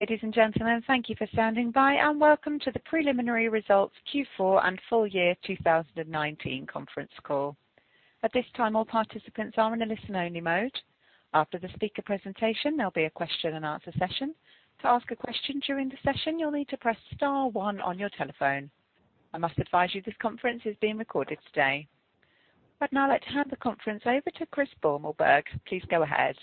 Ladies and gentlemen, thank you for standing by, and welcome to the preliminary results Q4 and full year 2019 conference call. At this time, all participants are in a listen-only mode. After the speaker presentation, there'll be a question and answer session. To ask a question during the session, you'll need to press star one on your telephone. I must advise you this conference is being recorded today. I'd now like to hand the conference over to Christoph Beumelburg. Please go ahead.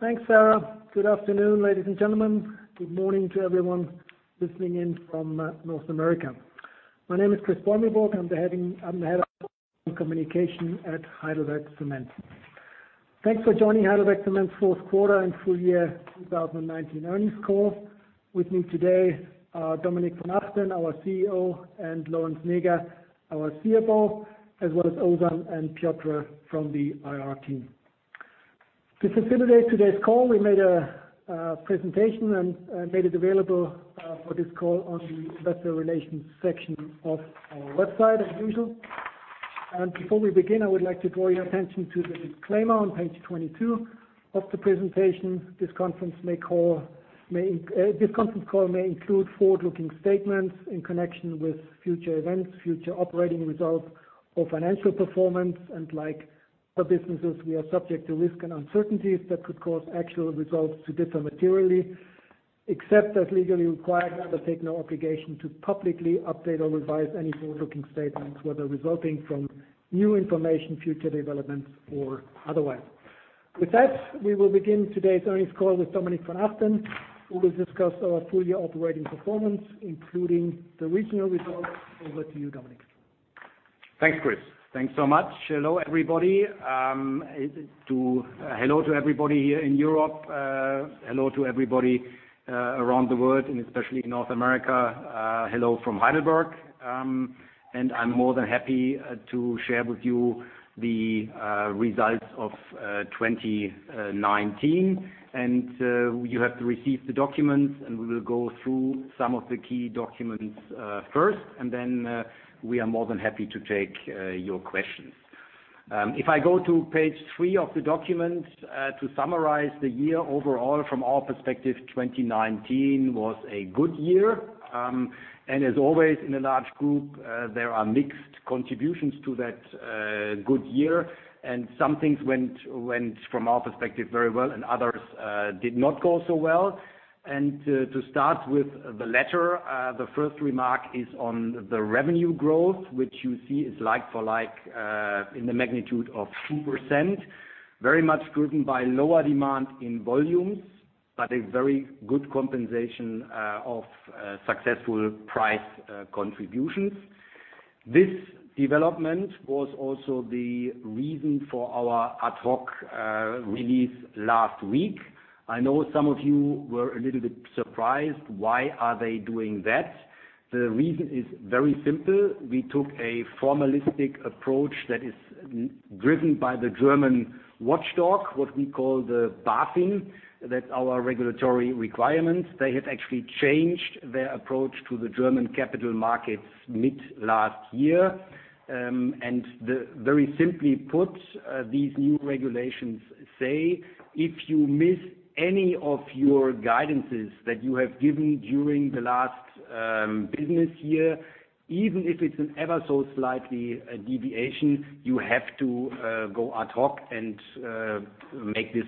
Thanks, Sarah. Good afternoon, ladies and gentlemen. Good morning to everyone listening in from North America. My name is Chris Beumelburg. I'm the head of communication at Heidelberg Materials. Thanks for joining Heidelberg Materials's fourth quarter and full year 2019 earnings call. With me today are Dr. Dominik von Achten, our CEO, and Lorenz Näger, our CFO, as well as Ozan and Piotr from the IR team. To facilitate today's call, we made a presentation and made it available for this call on the investor relations section of our website as usual. Before we begin, I would like to draw your attention to the disclaimer on page 22 of the presentation. This conference call may include forward-looking statements in connection with future events, future operating results or financial performance. Like other businesses, we are subject to risks and uncertainties that could cause actual results to differ materially. Except as legally required, we undertake no obligation to publicly update or revise any forward-looking statements, whether resulting from new information, future developments, or otherwise. With that, we will begin today's earnings call with Dominik von Achten, who will discuss our full-year operating performance, including the regional results. Over to you, Dominik. Thanks, Chris. Thanks so much. Hello everybody. Hello to everybody here in Europe. Hello to everybody around the world, and especially North America. Hello from Heidelberg. I'm more than happy to share with you the results of 2019. You have received the documents, and we will go through some of the key documents first, and then we are more than happy to take your questions. If I go to page three of the documents, to summarize the year overall from our perspective, 2019 was a good year. As always, in a large group, there are mixed contributions to that good year, and some things went from our perspective very well, and others did not go so well. To start with the latter, the first remark is on the revenue growth, which you see is like for like in the magnitude of 2%. Very much driven by lower demand in volumes, but a very good compensation of successful price contributions. This development was also the reason for our ad hoc release last week. I know some of you were a little bit surprised. Why are they doing that? The reason is very simple. We took a formalistic approach that is driven by the German watchdog, what we call the BaFin. That's our regulatory requirement. They have actually changed their approach to the German capital markets mid last year. Very simply put, these new regulations say if you miss any of your guidances that you have given during the last business year, even if it's an ever so slightly deviation, you have to go ad hoc and make this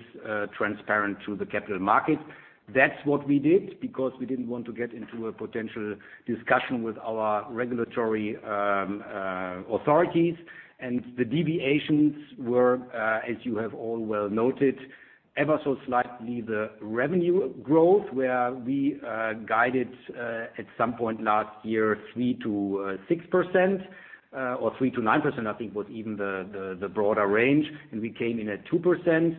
transparent to the capital market. That's what we did, because we didn't want to get into a potential discussion with our regulatory authorities. The deviations were, as you have all well noted, ever so slightly the revenue growth, where we guided at some point last year 3%-6%, or 3%-9%, I think, was even the broader range, and we came in at 2%.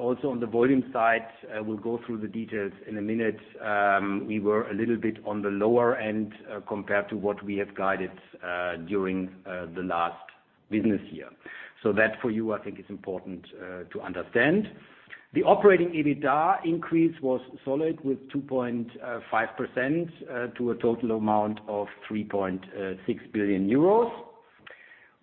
Also on the volume side, we'll go through the details in a minute. We were a little bit on the lower end compared to what we have guided during the last business year. That for you, I think it's important to understand. The operating EBITDA increase was solid, with 2.5% to a total amount of 3.6 billion euros.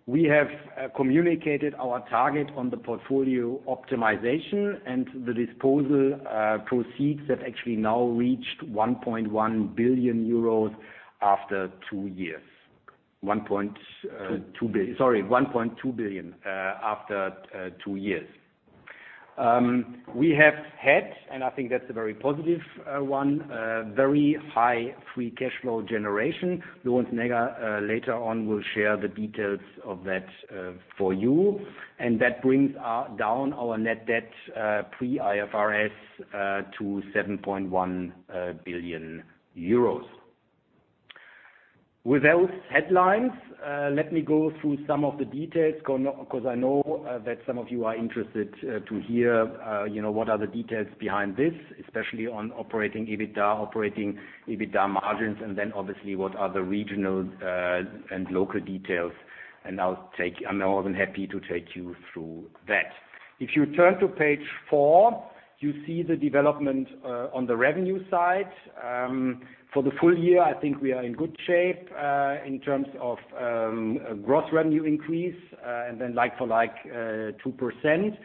We have communicated our target on the portfolio optimization and the disposal proceeds have actually now reached 1.1 billion euros after two years. Sorry, 1.2 billion after two years. We have had, I think that's a very positive one, very high free cash flow generation. Lorenz Näger later on will share the details of that for you. That brings down our net debt pre-IFRS to 7.1 billion euros. With those headlines, let me go through some of the details, because I know that some of you are interested to hear what are the details behind this, especially on operating EBITDA, operating EBITDA margins, and then obviously what are the regional and local details. I'm more than happy to take you through that. If you turn to page four, you see the development on the revenue side. For the full year, I think we are in good shape, in terms of gross revenue increase, and then like for like 2%.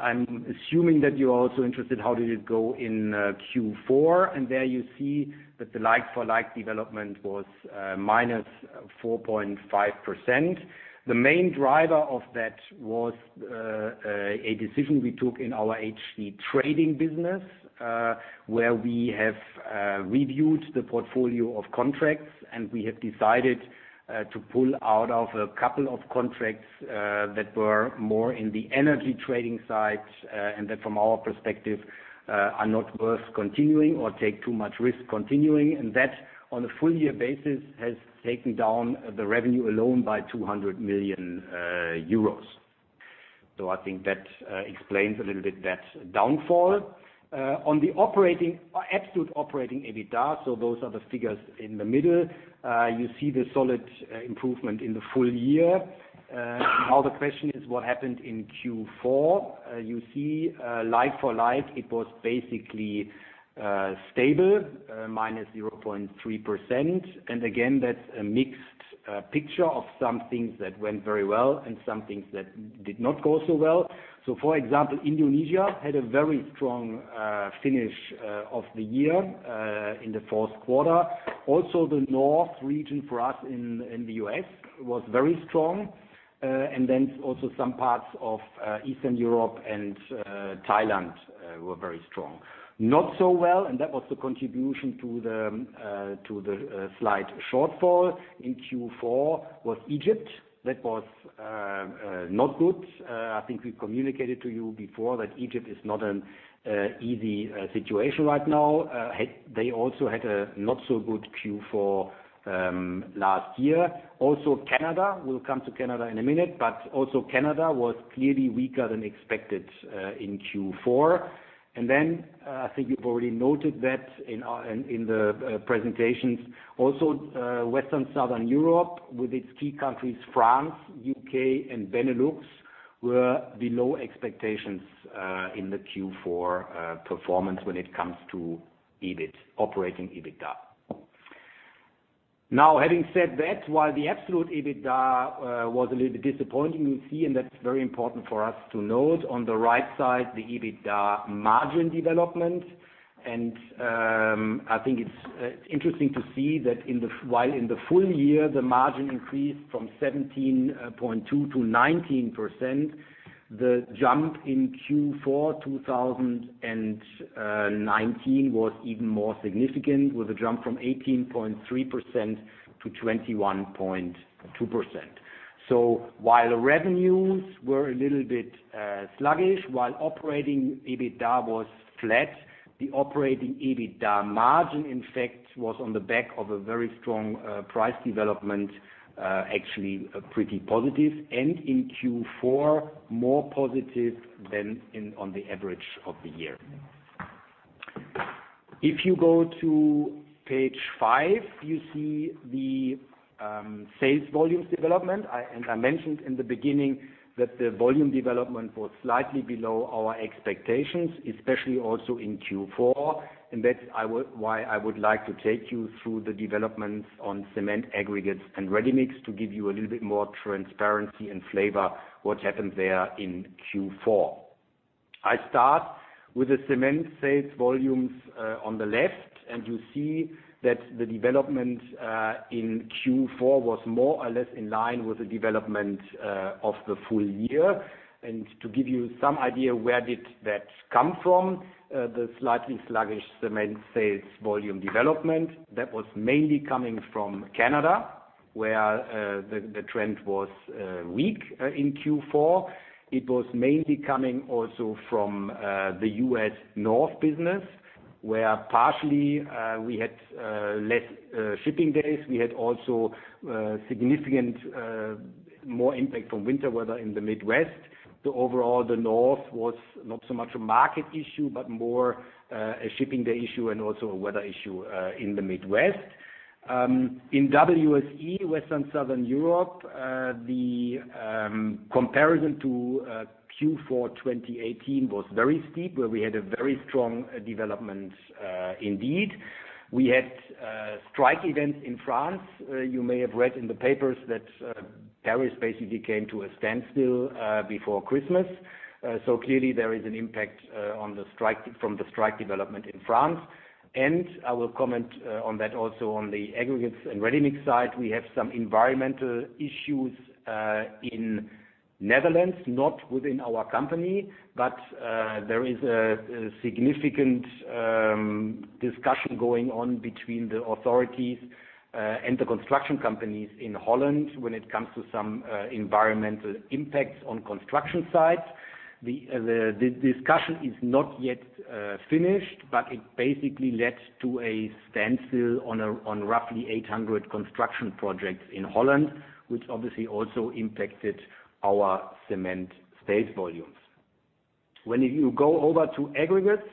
I'm assuming that you're also interested, how did it go in Q4? There you see that the like-for-like development was -4.5%. The main driver of that was a decision we took in our HC Trading business, where we have reviewed the portfolio of contracts, and we have decided to pull out of a couple of contracts that were more in the energy trading side. That from our perspective, are not worth continuing or take too much risk continuing. That, on a full year basis, has taken down the revenue alone by 200 million euros. I think that explains a little bit that downfall. On the absolute operating EBITDA, so those are the figures in the middle. You see the solid improvement in the full year. The question is what happened in Q4? Like-for-like, it was basically stable, Again, that's a mixed picture of some things that went very well and some things that did not go so well. For example, Indonesia had a very strong finish of the year, in the fourth quarter. Also, the north region for us in the U.S. was very strong. Also some parts of Eastern Europe and Thailand were very strong. Not so well, and that was the contribution to the slight shortfall in Q4 was Egypt. That was not good. I think we communicated to you before that Egypt is not an easy situation right now. They also had a not so good Q4 last year. Also Canada, we'll come to Canada in a minute, Canada was clearly weaker than expected in Q4. I think you've already noted that in the presentations also Western Southern Europe with its key countries, France, U.K., and Benelux, were below expectations in the Q4 performance when it comes to operating EBITDA. Having said that, while the absolute EBITDA was a little bit disappointing, you see, and that's very important for us to note, on the right side, the EBITDA margin development. I think it's interesting to see that while in the full year the margin increased from 17.2%-19%, the jump in Q4 2019 was even more significant with a jump from 18.3%-21.2%. While the revenues were a little bit sluggish, while operating EBITDA was flat, the operating EBITDA margin, in fact, was on the back of a very strong price development, actually pretty positive and in Q4, more positive than on the average of the year. If you go to page five, you see the sales volumes development. I mentioned in the beginning that the volume development was slightly below our expectations, especially also in Q4. That's why I would like to take you through the developments on cement aggregates and ready-mix to give you a little bit more transparency and flavor what happened there in Q4. I start with the cement sales volumes on the left. You see that the development in Q4 was more or less in line with the development of the full year. To give you some idea where did that come from, the slightly sluggish cement sales volume development. That was mainly coming from Canada, where the trend was weak in Q4. It was mainly coming also from the U.S. North business, where partially we had less shipping days. We had also significant more impact from winter weather in the Midwest. Overall, the North was not so much a market issue, but more a shipping day issue and also a weather issue in the Midwest. In WSE, Western Southern Europe, the comparison to Q4 2018 was very steep, where we had a very strong development indeed. We had strike events in France. You may have read in the papers that Paris basically came to a standstill before Christmas. Clearly there is an impact from the strike development in France. I will comment on that also on the aggregates and ready-mix side. We have some environmental issues in Netherlands, not within our company, but there is a significant discussion going on between the authorities and the construction companies in Holland when it comes to some environmental impacts on construction sites. The discussion is not yet finished, but it basically led to a standstill on roughly 800 construction projects in Holland, which obviously also impacted our cement sales volumes. When you go over to aggregates,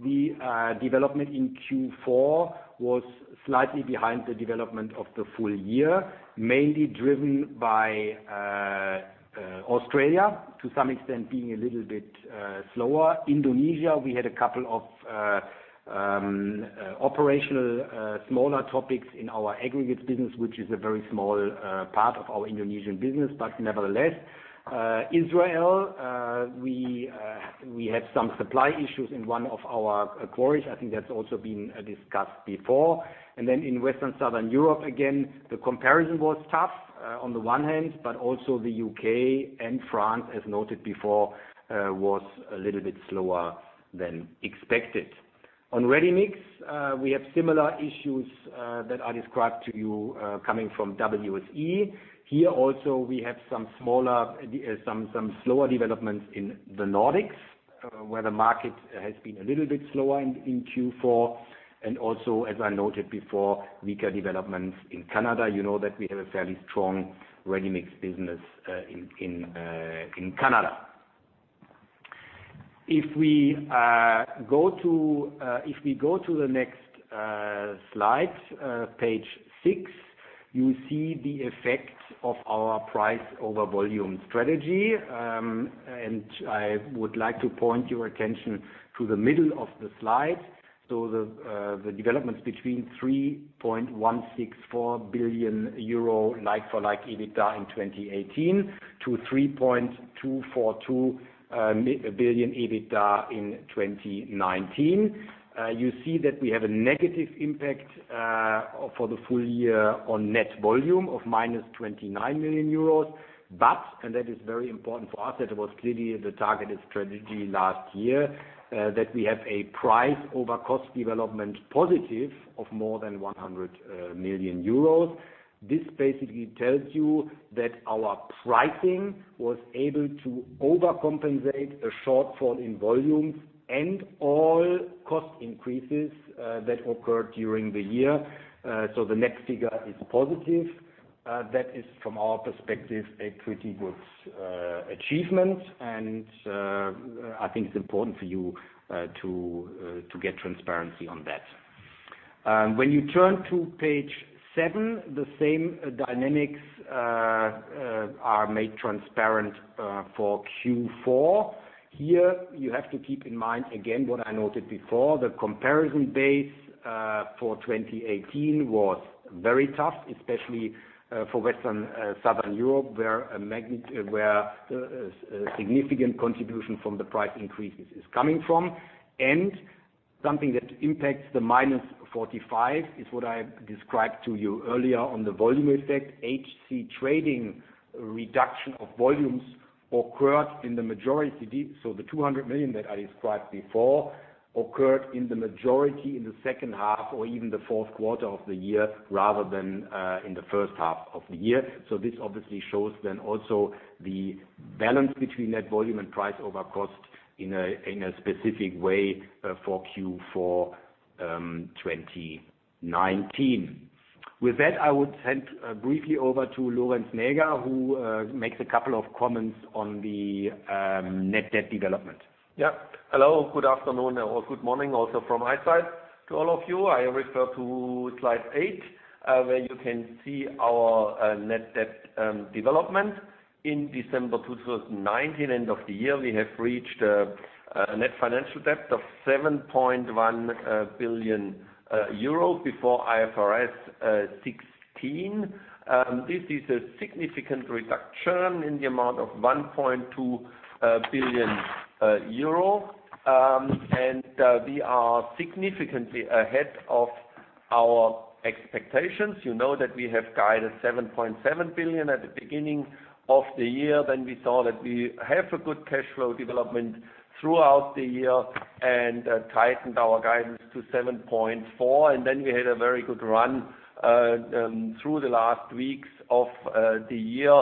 the development in Q4 was slightly behind the development of the full year, mainly driven by Australia to some extent being a little bit slower. Indonesia, we had a couple of operational smaller topics in our aggregates business, which is a very small part of our Indonesian business, but nevertheless. Israel, we had some supply issues in one of our quarries. I think that's also been discussed before. Then in Western Southern Europe, again, the comparison was tough on the one hand, but also the U.K. and France, as noted before, was a little bit slower than expected. On ready-mix, we have similar issues that I described to you coming from WSE. Here also we have some slower developments in the Nordics, where the market has been a little bit slower in Q4 and also, as I noted before, weaker developments in Canada. You know that we have a fairly strong ready-mix business in Canada. If we go to the next slide, page six, you see the effect of our price over volume strategy. I would like to point your attention to the middle of the slide. The developments between 3.164 billion euro like-for-like EBITDA in 2018 to 3.242 billion EBITDA in 2019. You see that we have a negative impact for the full year on net volume of -29 million euros. That is very important for us, that was clearly the targeted strategy last year, that we have a price over cost development positive of more than 100 million euros. This basically tells you that our pricing was able to overcompensate a shortfall in volumes and all cost increases that occurred during the year. The next figure is positive. That is, from our perspective, a pretty good achievement and I think it's important for you to get transparency on that. When you turn to page seven, the same dynamics are made transparent for Q4. Here you have to keep in mind, again, what I noted before. The comparison base for 2018 was very tough, especially for Western Southern Europe, where a significant contribution from the price increases is coming from. Something that impacts the -45 is what I described to you earlier on the volume effect. HC Trading reduction of volumes occurred in the majority. The 200 million that I described before occurred in the majority in the second half or even the fourth quarter of the year rather than in the first half of the year. This obviously shows then also the balance between net volume and price over cost in a specific way for Q4 2019. With that, I would hand briefly over to Lorenz Näger, who makes a couple of comments on the net debt development. Yeah. Hello, good afternoon or good morning also from my side to all of you. I refer to slide eight, where you can see our net debt development in December 2019. End of the year, we have reached a net financial debt of 7.1 billion euro before IFRS 16. This is a significant reduction in the amount of 1.2 billion euro. We are significantly ahead of our expectations. You know that we have guided 7.7 billion at the beginning of the year. We saw that we have a good cash flow development throughout the year and tightened our guidance to 7.4 billion. We had a very good run through the last weeks of the year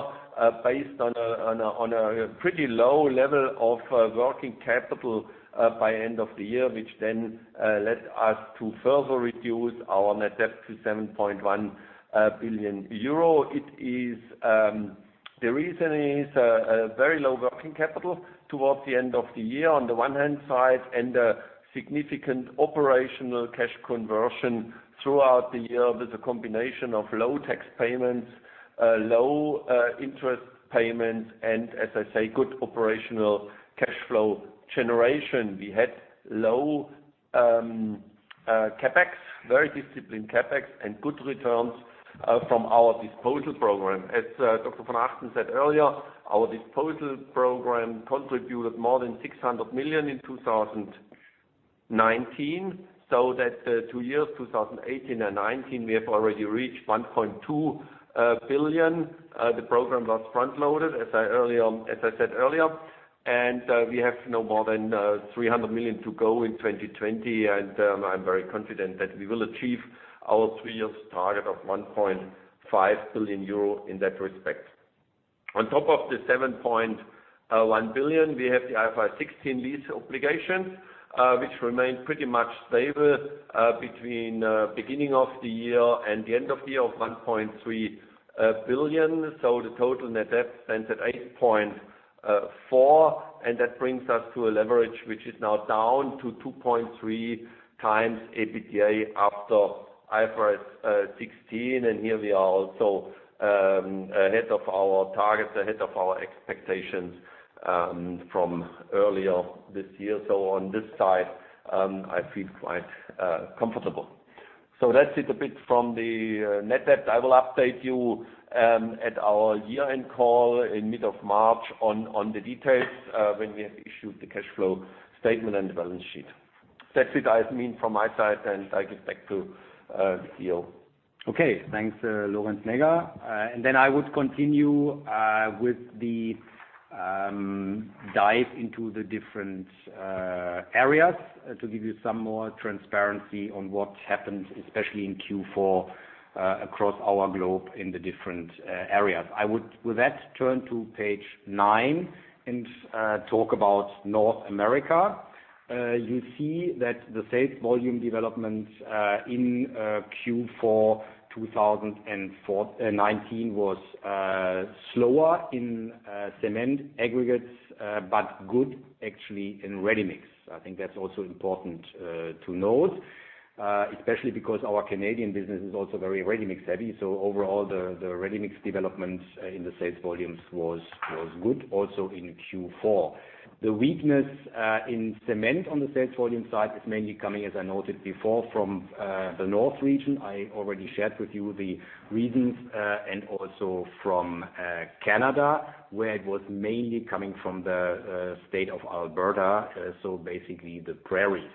based on a pretty low level of working capital by end of the year, which then led us to further reduce our net debt to 7.1 billion euro. The reason is a very low working capital towards the end of the year on the one hand side and a significant operational cash conversion throughout the year with a combination of low tax payments, low interest payments and as I say, good operational cash flow generation. We had low CapEx, very disciplined CapEx and good returns from our disposal program. As Dr. von Achten said earlier, our disposal program contributed more than 600 million in 2019. That two years, 2018 and 2019, we have already reached 1.2 billion. The program was front-loaded, as I said earlier, and we have no more than 300 million to go in 2020. I'm very confident that we will achieve our three years' target of 1.5 billion euro in that respect. On top of the 7.1 billion, we have the IFRS 16 lease obligation, which remained pretty much stable between beginning of the year and the end of the year of 1.3 billion. The total net debt stands at 8.4 and that brings us to a leverage which is now down to 2.3x EBITDA after IFRS 16. Here we are also ahead of our targets, ahead of our expectations from earlier this year. On this side, I feel quite comfortable. That's it a bit from the net debt. I will update you at our year-end call in mid of March on the details when we have issued the cash flow statement and the balance sheet. That's it, I mean from my side, and I give back to Do. Okay, thanks, Lorenz Näger. I would continue with the dive into the different areas to give you some more transparency on what happened, especially in Q4, across our globe in the different areas. I would with that turn to page nine and talk about North America. You see that the sales volume development in Q4 2019 was slower in cement aggregates, but good actually in ready-mix. I think that's also important to note, especially because our Canadian business is also very ready-mix heavy. Overall, the ready-mix development in the sales volumes was good also in Q4. The weakness in cement on the sales volume side is mainly coming, as I noted before, from the north region. I already shared with you the reasons, and also from Canada, where it was mainly coming from the state of Alberta, so basically the prairies.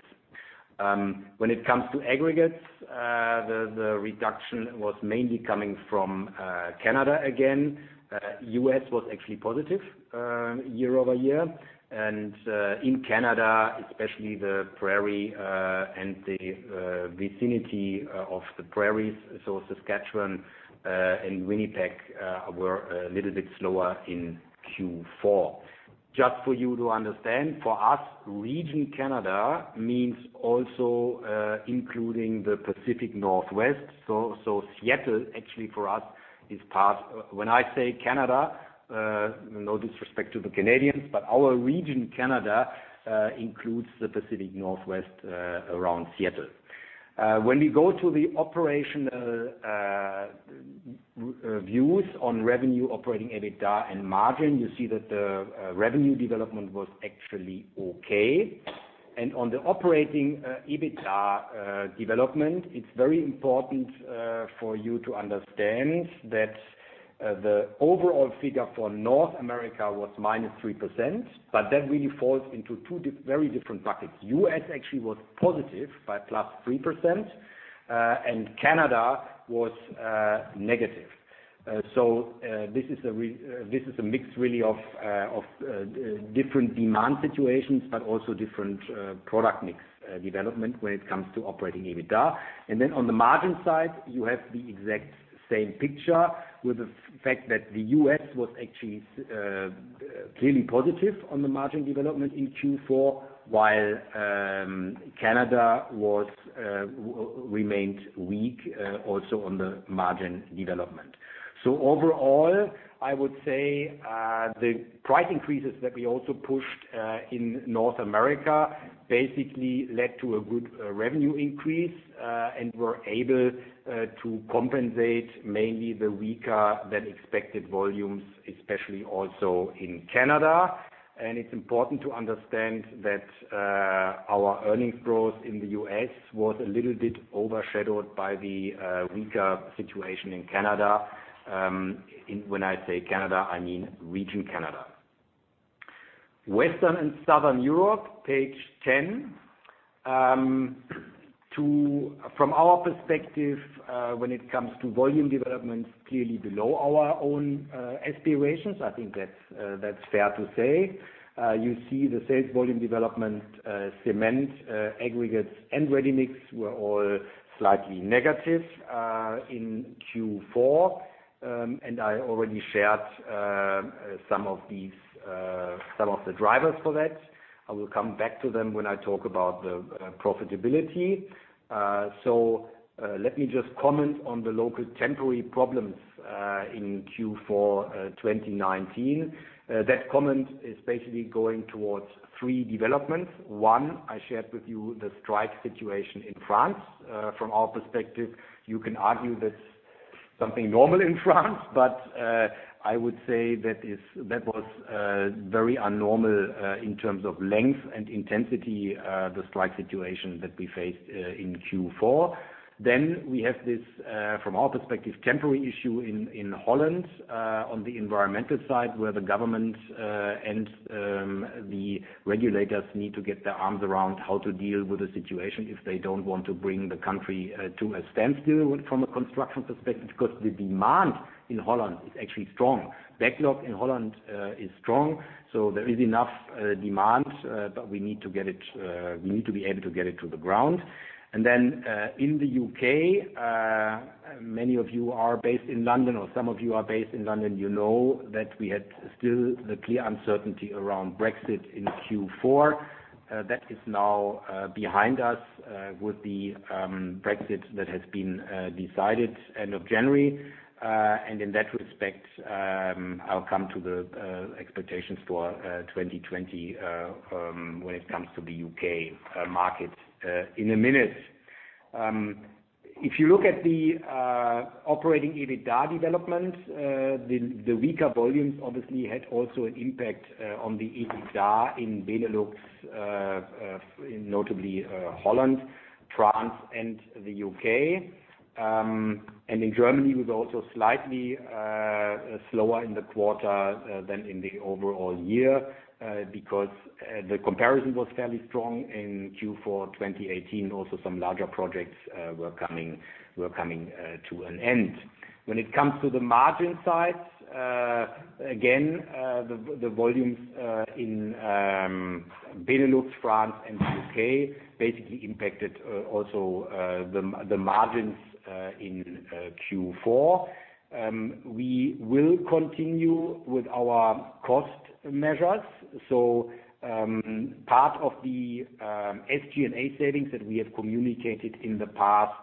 When it comes to aggregates, the reduction was mainly coming from Canada again. U.S. was actually positive year-over-year. In Canada, especially the prairie and the vicinity of the prairies, so Saskatchewan and Winnipeg, were a little bit slower in Q4. Just for you to understand, for us, region Canada means also including the Pacific Northwest. Seattle actually for us is. When I say Canada, no disrespect to the Canadians, but our region Canada includes the Pacific Northwest around Seattle. When we go to the operational views on revenue, operating EBITDA, and margin, you see that the revenue development was actually okay. On the operating EBITDA development, it's very important for you to understand that the overall figure for North America was -3%, but that really falls into two very different buckets. U.S. actually was positive by +3%, and Canada was negative. This is a mix really of different demand situations, but also different product mix development when it comes to operating EBITDA. On the margin side, you have the exact same picture with the fact that the U.S. was actually clearly positive on the margin development in Q4, while Canada remained weak also on the margin development. Overall, I would say the price increases that we also pushed in North America basically led to a good revenue increase, and we're able to compensate mainly the weaker than expected volumes, especially also in Canada. It's important to understand that our earnings growth in the U.S. was a little bit overshadowed by the weaker situation in Canada. When I say Canada, I mean region Canada. Western and Southern Europe, page 10. From our perspective, when it comes to volume development, clearly below our own aspirations, I think that's fair to say. You see the sales volume development, cement, aggregates, and ready-mix were all slightly negative in Q4, and I already shared some of the drivers for that. I will come back to them when I talk about the profitability. Let me just comment on the local temporary problems in Q4 2019. That comment is basically going towards three developments. One, I shared with you the strike situation in France. From our perspective, you can argue that's something normal in France, but I would say that was very unnormal in terms of length and intensity, the strike situation that we faced in Q4. We have this, from our perspective, temporary issue in Holland on the environmental side, where the government and the regulators need to get their arms around how to deal with the situation if they don't want to bring the country to a standstill from a construction perspective, because the demand in Holland is actually strong. Backlog in Holland is strong, so there is enough demand, but we need to be able to get it to the ground. In the U.K., many of you are based in London, or some of you are based in London, you know that we had still the clear uncertainty around Brexit in Q4. That is now behind us with the Brexit that has been decided end of January. In that respect, I'll come to the expectations for 2020 when it comes to the U.K. market in a minute. If you look at the operating EBITDA development, the weaker volumes obviously had also an impact on the EBITDA in Benelux, notably Holland, France, and the U.K. In Germany, we were also slightly slower in the quarter than in the overall year because the comparison was fairly strong in Q4 2018, also some larger projects were coming to an end. When it comes to the margin side, again the volumes in Benelux, France, and the U.K. basically impacted also the margins in Q4. We will continue with our cost measures. Part of the SG&A savings that we have communicated in the past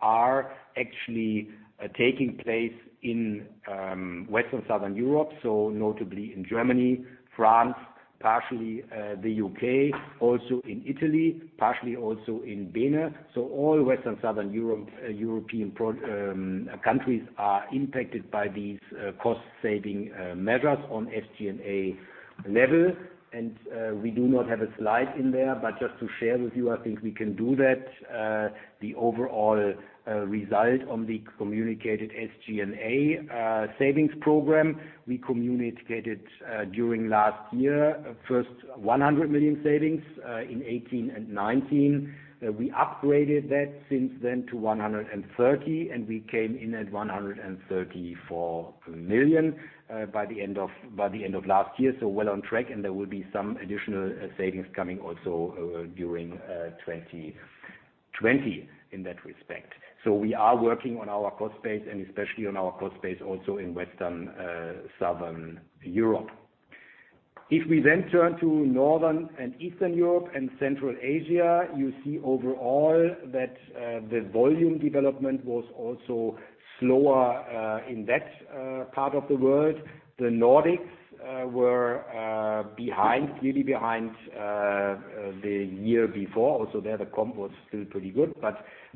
are actually taking place in Western Southern Europe, notably in Germany, France, partially the U.K., also in Italy, partially also in Benelux. All Western Southern European countries are impacted by these cost saving measures on SG&A level. We do not have a slide in there, but just to share with you, I think we can do that. The overall result on the communicated SG&A savings program, we communicated during last year, first 100 million savings, in 2018 and 2019. We upgraded that since then to 130, and we came in at 134 million by the end of last year, so well on track. There will be some additional savings coming also during 2020 in that respect. We are working on our cost base and especially on our cost base also in Western Southern Europe. If we then turn to Northern and Eastern Europe and Central Asia, you see overall that the volume development was also slower in that part of the world. The Nordics were clearly behind the year before. Also there, the comp was still pretty good.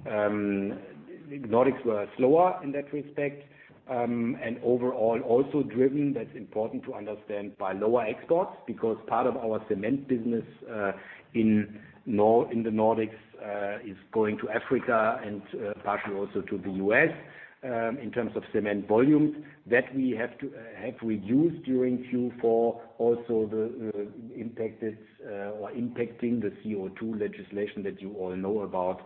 Nordics were slower in that respect. Overall also driven, that's important to understand, by lower exports because part of our cement business in the Nordics, is going to Africa and partially also to the U.S., in terms of cement volumes that we have to have reduced during Q4, also impacting the CO2 legislation that you all know about,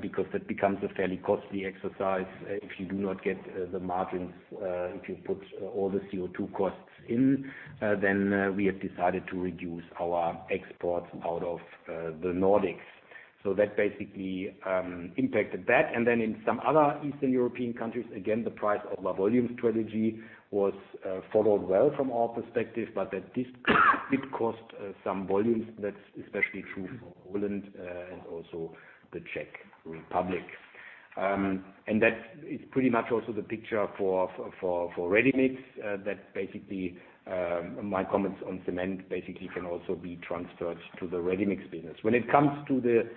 because that becomes a fairly costly exercise if you do not get the margins. If you put all the CO2 costs in, we have decided to reduce our exports out of the Nordics. That basically impacted that. In some other Eastern European countries, again, the price of our volume strategy was followed well from our perspective, but that did cost some volumes. That's especially true for Poland, and also the Czech Republic. That is pretty much also the picture for ready-mix. My comments on cement basically can also be transferred to the ready-mix business. When it comes to the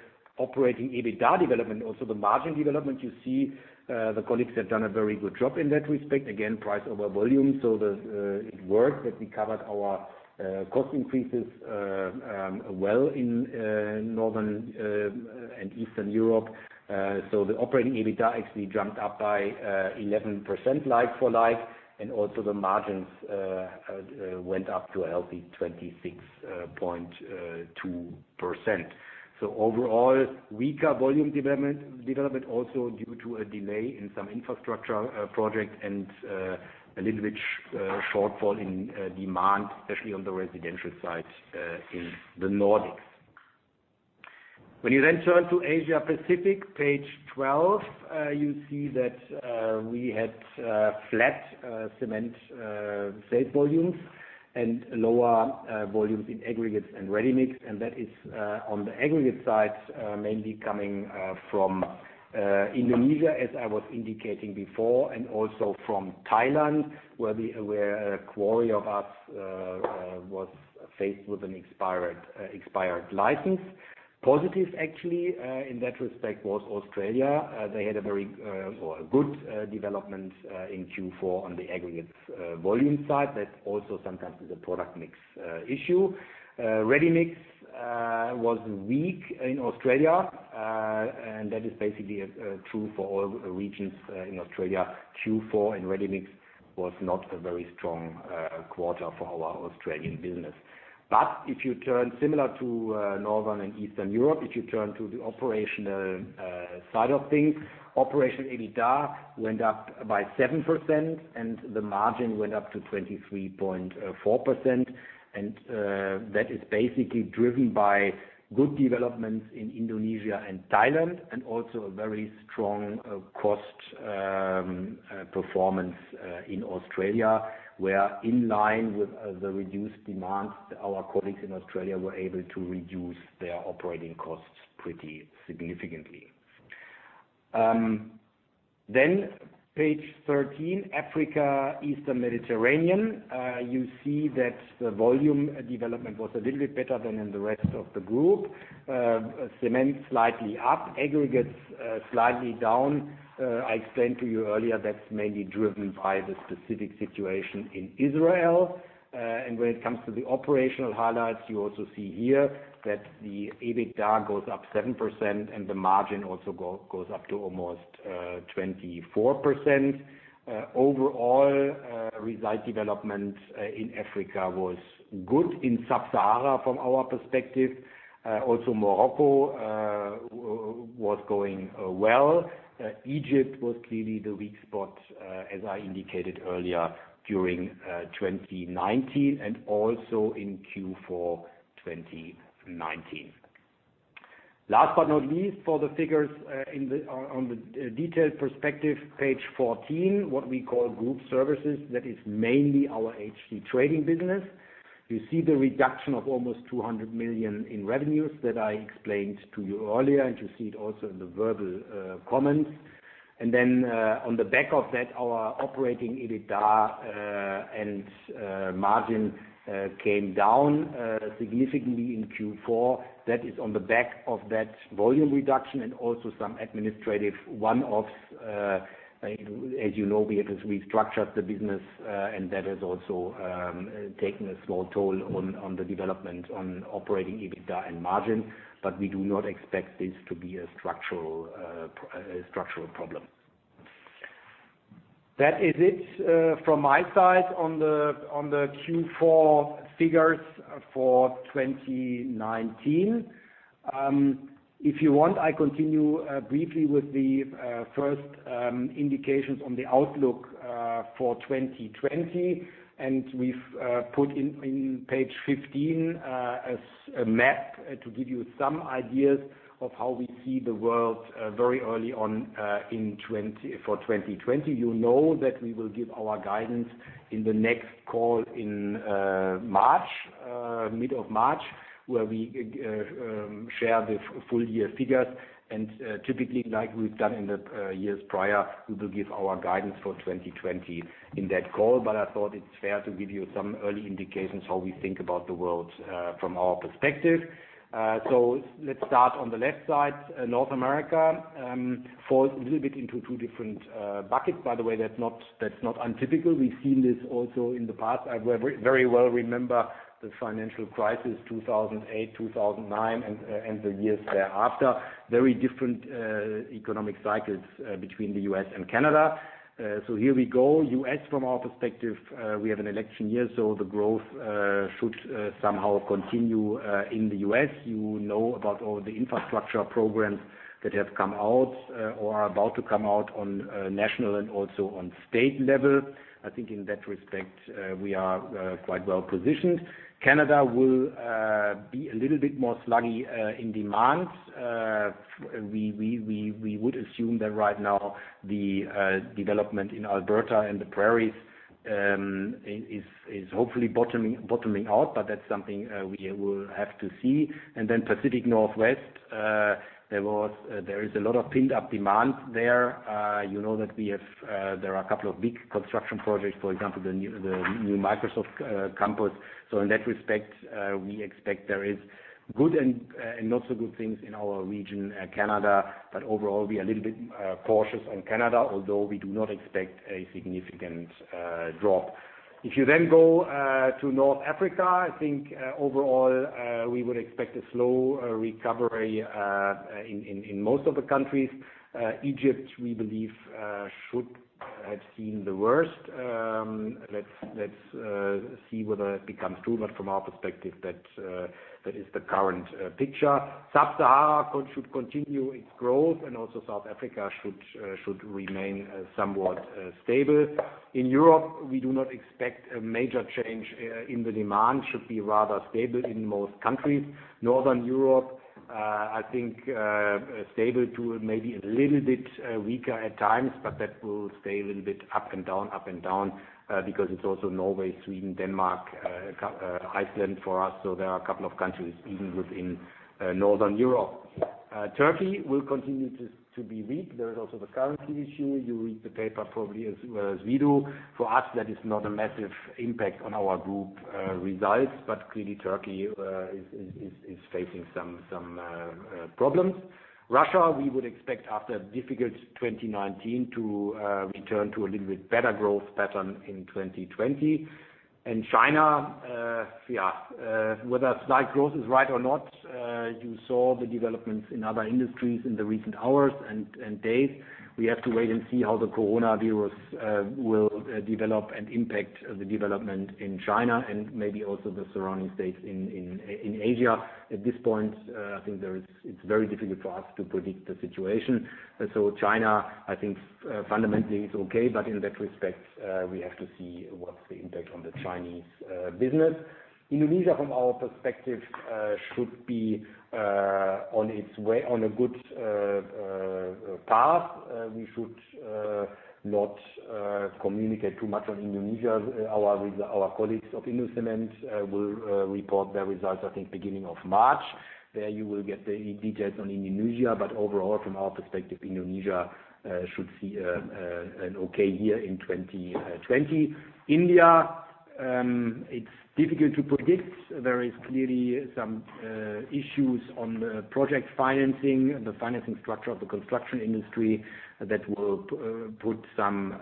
operating EBITDA development, also the margin development, you see the colleagues have done a very good job in that respect. Again, price over volume. It worked that we covered our cost increases well in Northern and Eastern Europe. The operating EBITDA actually jumped up by 11% like for like, and also the margins went up to a healthy 26.2%. Overall weaker volume development also due to a delay in some infrastructure projects and a little bit shortfall in demand, especially on the residential side in the Nordics. When you then turn to Asia Pacific, page 12, you see that we had flat cement sales volumes and lower volumes in aggregates and ready-mix. That is on the aggregate side mainly coming from Indonesia, as I was indicating before, and also from Thailand, where a quarry of ours was faced with an expired license. Positive actually in that respect was Australia. They had a very good development in Q4 on the aggregates volume side. That also sometimes is a product mix issue. Ready-mix was weak in Australia, and that is basically true for all regions in Australia. Q4 in ready-mix was not a very strong quarter for our Australian business. If you turn similar to Northern and Eastern Europe, if you turn to the operational side of things, operational EBITDA went up by 7% and the margin went up to 23.4%. That is basically driven by good developments in Indonesia and Thailand and also a very strong cost performance in Australia where in line with the reduced demands, our colleagues in Australia were able to reduce their operating costs pretty significantly. Page 13, Africa, Eastern Mediterranean, you see that the volume development was a little bit better than in the rest of the group. Cement slightly up, aggregates slightly down. I explained to you earlier that's mainly driven by the specific situation in Israel. When it comes to the operational highlights, you also see here that the EBITDA goes up 7% and the margin also goes up to almost 24%. Overall, result development in Africa was good in Sub-Sahara from our perspective. Also Morocco was going well. Egypt was clearly the weak spot, as I indicated earlier during 2019, and also in Q4 2019. Last but not least, for the figures on the detailed perspective, page 14, what we call group services, that is mainly our HC Trading business. You see the reduction of almost 200 million in revenues that I explained to you earlier. You see it also in the verbal comments. On the back of that, our operating EBITDA and margin came down significantly in Q4. That is on the back of that volume reduction and also some administrative one-offs. As you know, we've restructured the business. That has also taken a small toll on the development on operating EBITDA and margin. We do not expect this to be a structural problem. That is it from my side on the Q4 figures for 2019. If you want, I continue briefly with the first indications on the outlook for 2020. We've put in page 15 a map to give you some ideas of how we see the world very early on for 2020. You know that we will give our guidance in the next call in mid of March, where we share the full year figures. Typically like we've done in the years prior, we will give our guidance for 2020 in that call. I thought it's fair to give you some early indications how we think about the world from our perspective. Let's start on the left side. North America falls a little bit into two different buckets. By the way, that's not untypical. We've seen this also in the past. I very well remember the financial crisis 2008, 2009, and the years thereafter. Very different economic cycles between the U.S. and Canada. Here we go. U.S., from our perspective, we have an election year, so the growth should somehow continue in the U.S. You know about all the infrastructure programs that have come out or are about to come out on national and also on state level. I think in that respect, we are quite well positioned. Canada will be a little bit more sluggy in demand. We would assume that right now the development in Alberta and the prairies is hopefully bottoming out, but that's something we will have to see. Pacific Northwest, there is a lot of pinned up demand there. You know that there are a couple of big construction projects, for example, the new Microsoft campus. In that respect, we expect there is good and not so good things in our region, Canada. Overall, we are a little bit cautious on Canada, although we do not expect a significant drop. If you go to North Africa, I think overall we would expect a slow recovery in most of the countries. Egypt, we believe, should have seen the worst. Let's see whether it becomes true, but from our perspective, that is the current picture. Sub-Sahara should continue its growth, and also South Africa should remain somewhat stable. In Europe, we do not expect a major change in the demand. Should be rather stable in most countries. Northern Europe I think stable to maybe a little bit weaker at times, but that will stay a little bit up and down because it's also Norway, Sweden, Denmark, Iceland for us, so there are a couple of countries even within Northern Europe. Turkey will continue to be weak. There is also the currency issue. You read the paper probably as well as we do. For us, that is not a massive impact on our group results, but clearly Turkey is facing some problems. Russia, we would expect after a difficult 2019 to return to a little bit better growth pattern in 2020. China, whether slight growth is right or not, you saw the developments in other industries in the recent hours and days. We have to wait and see how the coronavirus will develop and impact the development in China and maybe also the surrounding states in Asia. At this point, I think it's very difficult for us to predict the situation. China, I think fundamentally is okay, but in that respect, we have to see what's the impact on the Chinese business. Indonesia, from our perspective, should be on a good path. We should not communicate too much on Indonesia. Our colleagues of Indocement will report their results, I think, beginning of March. There you will get the details on Indonesia. Overall, from our perspective, Indonesia should see an okay year in 2020. India. It's difficult to predict. There is clearly some issues on the project financing, the financing structure of the construction industry that will put some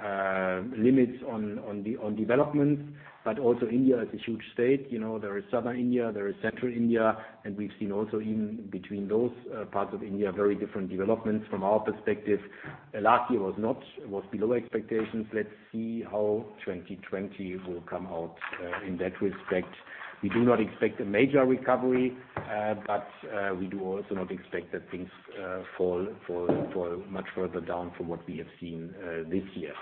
limits on developments. Also India is a huge state. There is Southern India, there is Central India, we've seen also in between those parts of India, very different developments from our perspective. Last year was below expectations. Let's see how 2020 will come out in that respect. We do not expect a major recovery, we do also not expect that things fall much further down from what we have seen this year.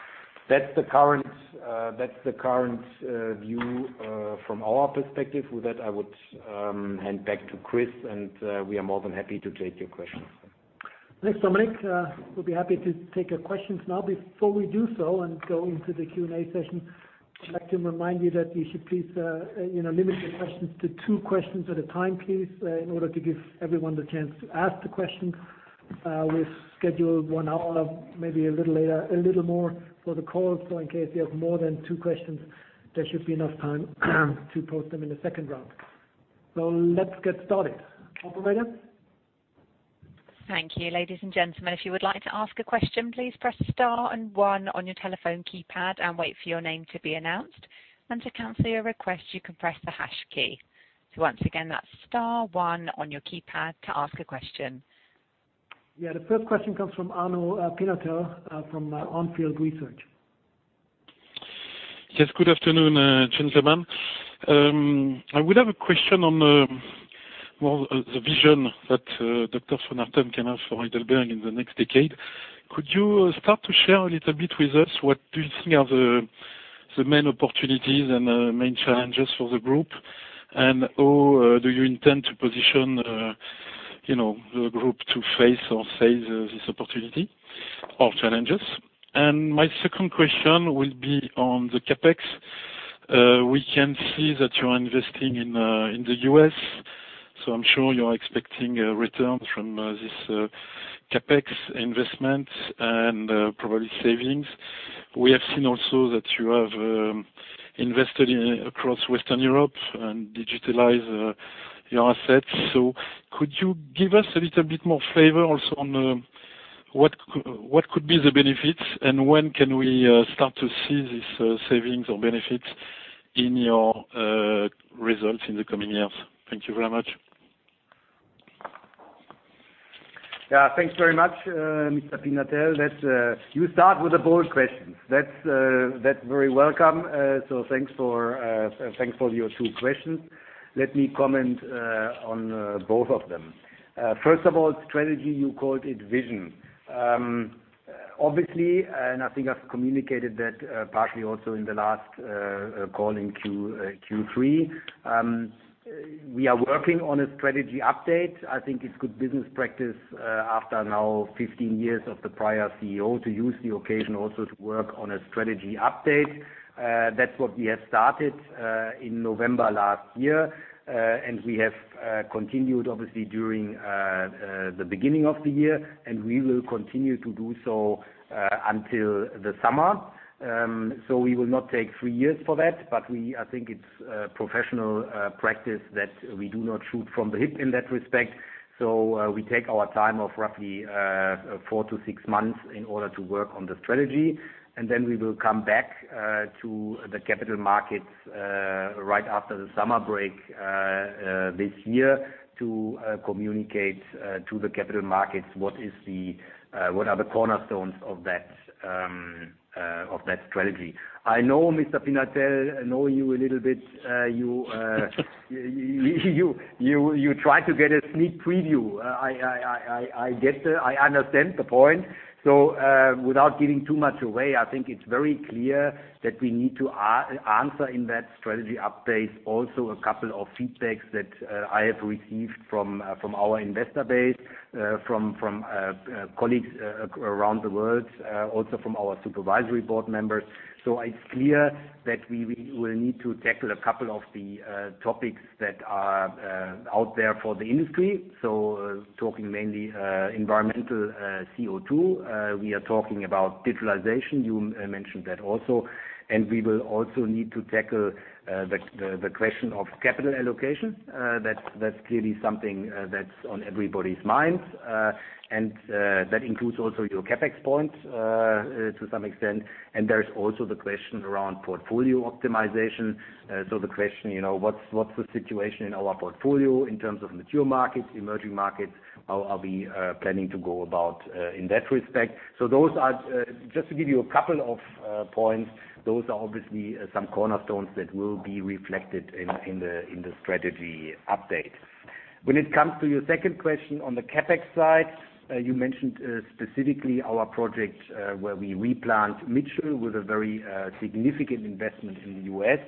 That's the current view from our perspective. With that, I would hand back to Chris, and we are more than happy to take your questions. Thanks, Dominik. We'll be happy to take your questions now. Before we do so and go into the Q&A session, I'd like to remind you that you should please limit your questions to two questions at a time, please, in order to give everyone the chance to ask the questions. We've scheduled one hour, maybe a little more for the call. In case you have more than two questions, there should be enough time to pose them in the second round. Let's get started. Operator? Thank you. Ladies and gentlemen, if you would like to ask a question, please press star and one on your telephone keypad and wait for your name to be announced. To cancel your request, you can press the hash key. Once again, that's star one on your keypad to ask a question. Yeah, the first question comes from Arnaud Pinatel from On Field Investment Research. Yes, good afternoon, gentlemen. I would have a question on the, well, the vision that Dr. von Achten came up for Heidelberg Materials in the next decade. Could you start to share a little bit with us what do you think are the main opportunities and the main challenges for the group? How do you intend to position the group to face or seize this opportunity or challenges? My second question will be on the CapEx. We can see that you are investing in the U.S., so I'm sure you are expecting a return from this CapEx investment and probably savings. We have seen also that you have invested across Western Europe and digitalized your assets. Could you give us a little bit more flavor also on what could be the benefits and when can we start to see these savings or benefits in your results in the coming years? Thank you very much. Thanks very much, Mr. Pinatel. You start with the bold questions. That's very welcome. Thanks for your two questions. Let me comment on both of them. First of all, strategy, you called it vision. Obviously, I think I've communicated that partly also in the last call in Q3. We are working on a strategy update. I think it's good business practice after now 15 years of the prior CEO to use the occasion also to work on a strategy update. That's what we have started in November last year. We have continued, obviously, during the beginning of the year, and we will continue to do so until the summer. We will not take three years for that, but I think it's professional practice that we do not shoot from the hip in that respect. We take our time of roughly four to six months in order to work on the strategy. We will come back to the capital markets right after the summer break this year to communicate to the capital markets what are the cornerstones of that strategy. I know Mr. Pinatel. I know you a little bit. You try to get a sneak preview. I understand the point. Without giving too much away, I think it's very clear that we need to answer in that strategy update also a couple of feedbacks that I have received from our investor base, from colleagues around the world, also from our supervisory board members. It's clear that we will need to tackle a couple of the topics that are out there for the industry. Talking mainly environmental CO2. We are talking about digitalization. You mentioned that also. We will also need to tackle the question of capital allocation. That's clearly something that's on everybody's minds. That includes also your CapEx point to some extent. There's also the question around portfolio optimization. The question, what's the situation in our portfolio in terms of mature markets, emerging markets? How are we planning to go about in that respect? Just to give you a couple of points, those are obviously some cornerstones that will be reflected in the strategy update. When it comes to your second question on the CapEx side, you mentioned specifically our project where we replant Mitchell with a very significant investment in the U.S.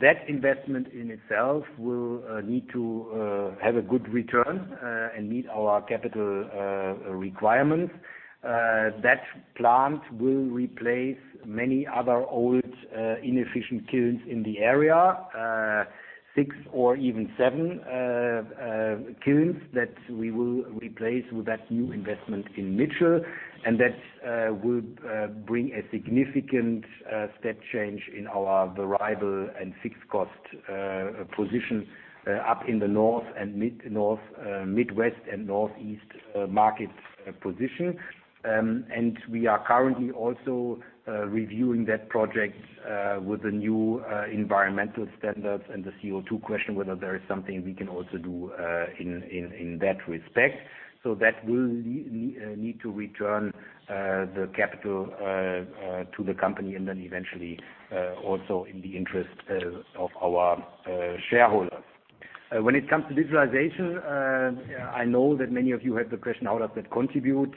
That investment in itself will need to have a good return and meet our capital requirements. That plant will replace many other old inefficient kilns in the area. Six or even seven kilns that we will replace with that new investment in Mitchell, and that will bring a significant step change in our variable and fixed cost position up in the Midwest and Northeast market position. We are currently also reviewing that project with the new environmental standards and the CO2 question, whether there is something we can also do in that respect. That will need to return the capital to the company and then eventually, also in the interest of our shareholders. When it comes to digitalization, I know that many of you had the question, how does that contribute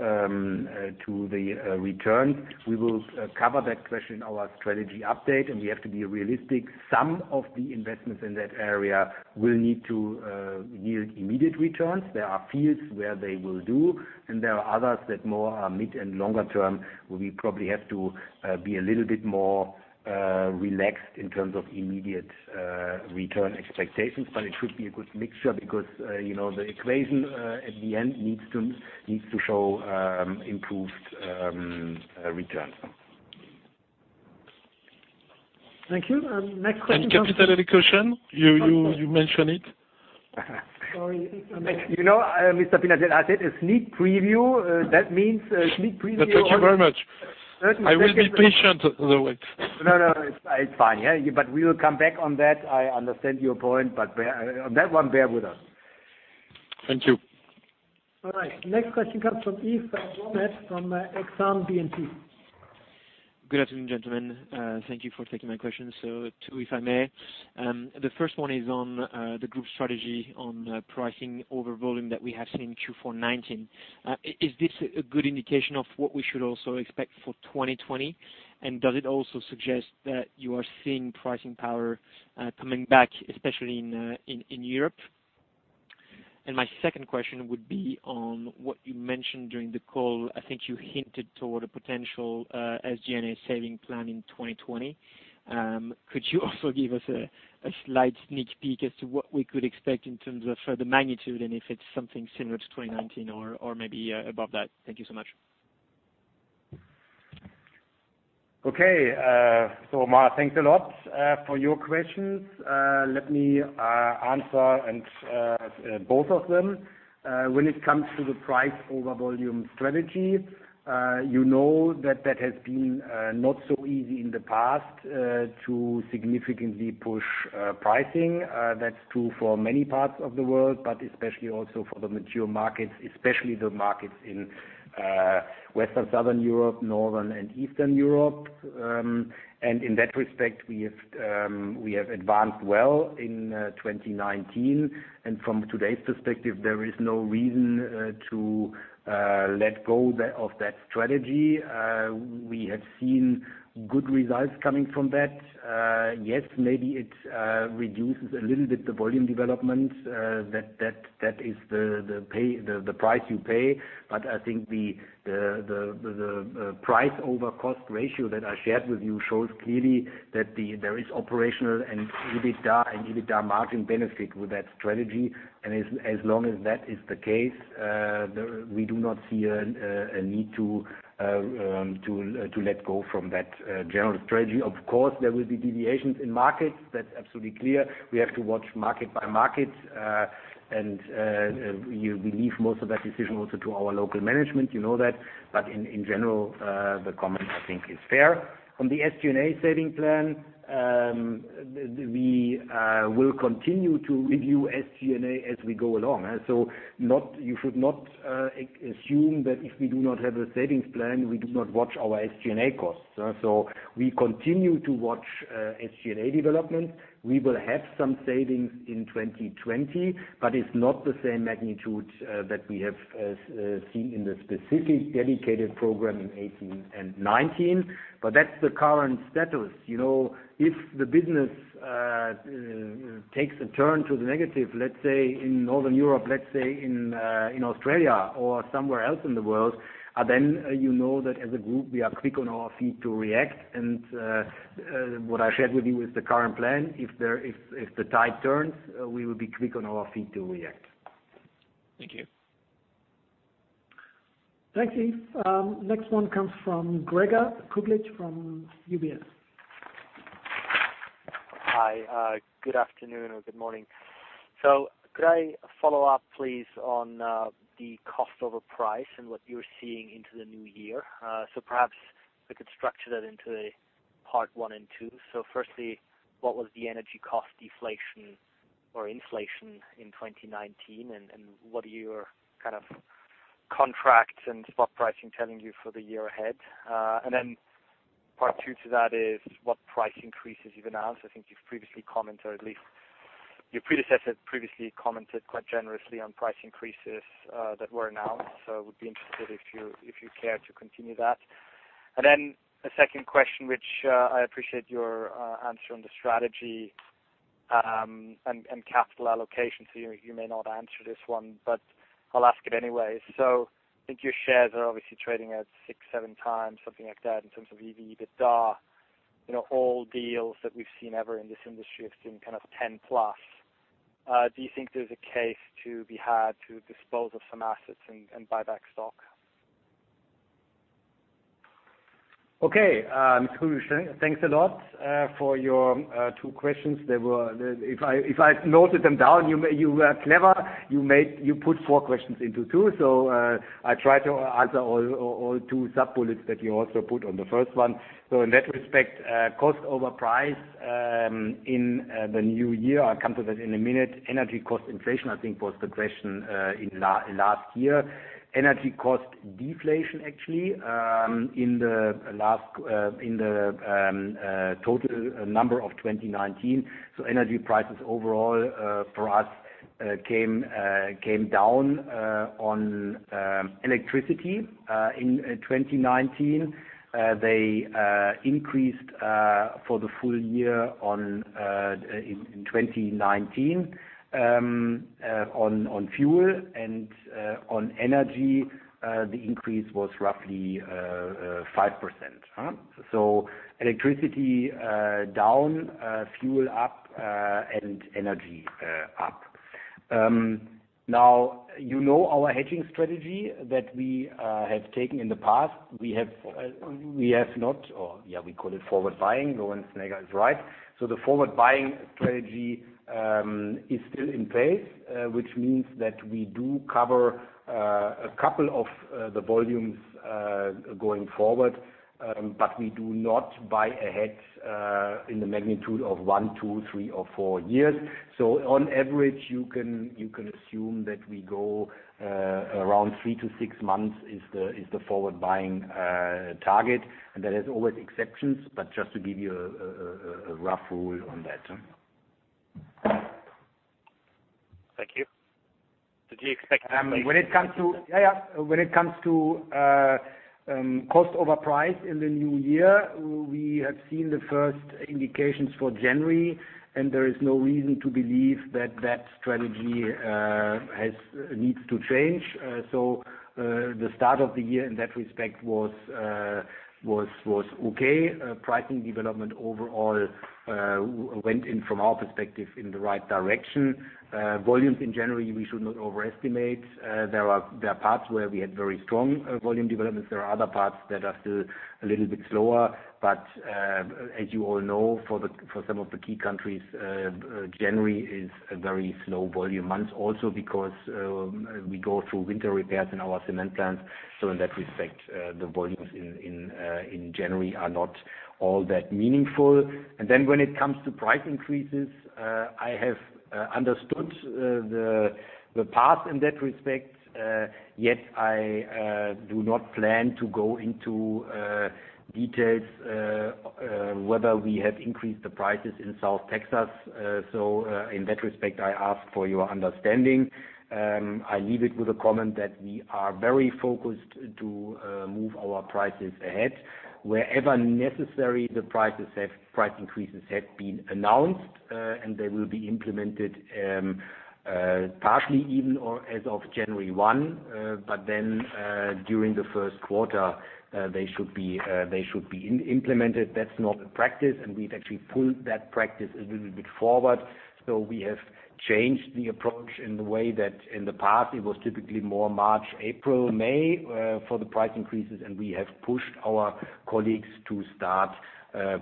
to the return? We will cover that question in our strategy update, and we have to be realistic. Some of the investments in that area will need to yield immediate returns. There are fields where they will do. There are others that more are mid- and longer-term, where we probably have to be a little bit more relaxed in terms of immediate return expectations. It should be a good mixture because the equation in the end needs to show improved returns. Thank you. Next question comes from- Capital allocation, you mentioned it. You know, Mr. Pinatel, I said a sneak preview. That means a sneak preview. Thank you very much. I will be patient though. No, it's fine. We will come back on that. I understand your point. On that one, bear with us. Thank you. All right. Next question comes from Yves Bromehead from Exane BNP. Good afternoon, gentlemen. Thank you for taking my question. Two, if I may. The first one is on the group strategy on pricing over volume that we have seen in Q4 2019. Is this a good indication of what we should also expect for 2020? Does it also suggest that you are seeing pricing power coming back, especially in Europe? My second question would be on what you mentioned during the call, I think you hinted toward a potential SG&A saving plan in 2020. Could you also give us a slight sneak peek as to what we could expect in terms of further magnitude and if it's something similar to 2019 or maybe above that? Thank you so much. Okay. Bromehead, thanks a lot for your questions. Let me answer both of them. When it comes to the price over volume strategy, you know that has been not so easy in the past to significantly push pricing. That's true for many parts of the world, but especially also for the mature markets, especially the markets in Western Southern Europe, Northern and Eastern Europe. In that respect, we have advanced well in 2019. From today's perspective, there is no reason to let go of that strategy. We have seen good results coming from that. Yes, maybe it reduces a little bit the volume development. That is the price you pay. I think the price over cost ratio that I shared with you shows clearly that there is operational and EBITDA and EBITDA margin benefit with that strategy, and as long as that is the case, we do not see a need to let go from that general strategy. Of course, there will be deviations in markets. That's absolutely clear. We have to watch market by market. We leave most of that decision also to our local management, you know that, but in general, the comment I think is fair. On the SG&A saving plan, we will continue to review SG&A as we go along. You should not assume that if we do not have a savings plan, we do not watch our SG&A costs. We continue to watch SG&A development. We will have some savings in 2020, but it's not the same magnitude that we have seen in the specific dedicated program in 2018 and 2019. That's the current status. If the business takes a turn to the negative, let's say in Northern Europe, let's say in Australia or somewhere else in the world, then you know that as a group, we are quick on our feet to react. What I shared with you is the current plan. If the tide turns, we will be quick on our feet to react. Thank you. Thanks, Yves. Next one comes from Gregor Kuglitsch from UBS. Hi. Good afternoon or good morning. Could I follow up please, on the cost over price and what you're seeing into the new year? Perhaps we could structure that into a part one and two. Firstly, what was the energy cost deflation or inflation in 2019, and what are your kind of contracts and spot pricing telling you for the year ahead? Part two to that is what price increases you've announced. I think you've previously commented, or at least your predecessor previously commented quite generously on price increases that were announced. Would be interested if you care to continue that. A second question, which I appreciate your answer on the strategy and capital allocation. You may not answer this one, but I'll ask it anyway. I think your shares are obviously trading at 6x, 7x, something like that, in terms of EV/EBITDA. All deals that we've seen ever in this industry have been 10 plus. Do you think there's a case to be had to dispose of some assets and buy back stock? Okay. Thanks a lot for your two questions. If I noted them down, you were clever. You put four questions into two, I try to answer all two sub-bullets that you also put on the first one. In that respect, cost over price in the new year, I'll come to that in a minute. Energy cost inflation, I think, was the question in last year. Energy cost deflation, actually, in the total number of 2019. Energy prices overall for us came down on electricity in 2019. They increased for the full year in 2019 on fuel and on energy the increase was roughly 5%. Electricity down, fuel up, and energy up. Now, you know our hedging strategy that we have taken in the past. We call it forward buying. The forward buying strategy is still in place, which means that we do cover a couple of the volumes going forward. We do not buy ahead in the magnitude of one, two, three or four years. On average, you can assume that we go around three to six months is the forward buying target. There is always exceptions, but just to give you a rough rule on that. Thank you. Did you expect- When it comes to cost over price in the new year, we have seen the first indications for January, and there is no reason to believe that strategy needs to change. The start of the year in that respect was okay. Pricing development overall went in, from our perspective, in the right direction. Volumes in January, we should not overestimate. There are parts where we had very strong volume developments. There are other parts that are still a little bit slower, but as you all know, for some of the key countries, January is a very slow volume month also because we go through winter repairs in our cement plants. In that respect, the volumes in January are not all that meaningful. When it comes to price increases, I have understood the past in that respect. Yet I do not plan to go into details whether we have increased the prices in South Texas. In that respect, I ask for your understanding. I leave it with a comment that we are very focused to move our prices ahead. Wherever necessary, the price increases have been announced, and they will be implemented partly even as of January 1. During the first quarter, they should be implemented. That's normal practice, and we've actually pulled that practice a little bit forward. We have changed the approach in the way that in the past it was typically more March, April, May for the price increases, and we have pushed our colleagues to start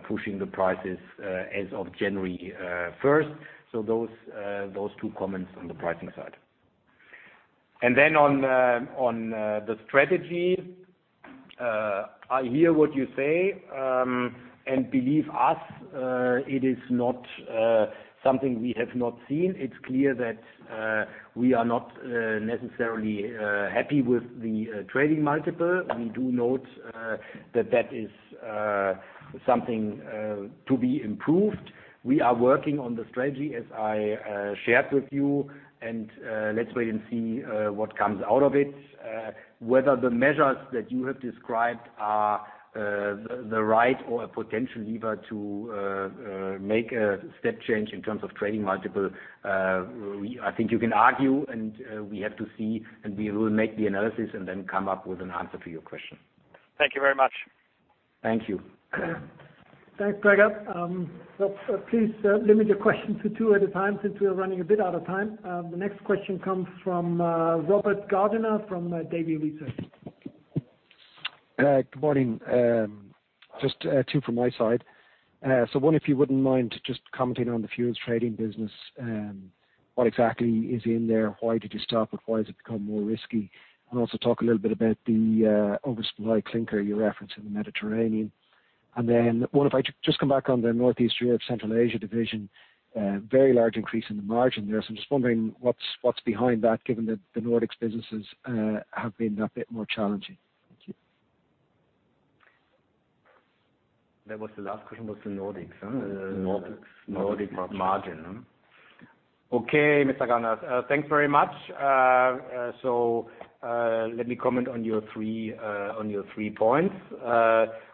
pushing the prices as of January 1st. Those two comments on the pricing side. Then on the strategy, I hear what you say, and believe us, it is not something we have not seen. It's clear that we are not necessarily happy with the trading multiple. We do note that is something to be improved. We are working on the strategy as I shared with you. Let's wait and see what comes out of it. Whether the measures that you have described are the right or a potential lever to make a step change in terms of trading multiple, I think you can argue and we have to see and we will make the analysis and then come up with an answer to your question. Thank you very much. Thank you. Thanks, Gregor. Please limit your questions to two at a time since we are running a bit out of time. The next question comes from Robert Gardiner from Davy Research. Good morning. Just two from my side. One, if you wouldn't mind just commenting on the fuels trading business. What exactly is in there? Why did you stop it? Why has it become more risky? Also talk a little bit about the oversupply clinker you referenced in the Mediterranean. One, if I just come back on the Northeast Europe Central Asia division, very large increase in the margin there. I'm just wondering what's behind that, given that the Nordics businesses have been that bit more challenging. Thank you. What's the last question? Was the Nordics? Nordics margin. Okay, Mr. Gardiner. Thanks very much. Let me comment on your three points.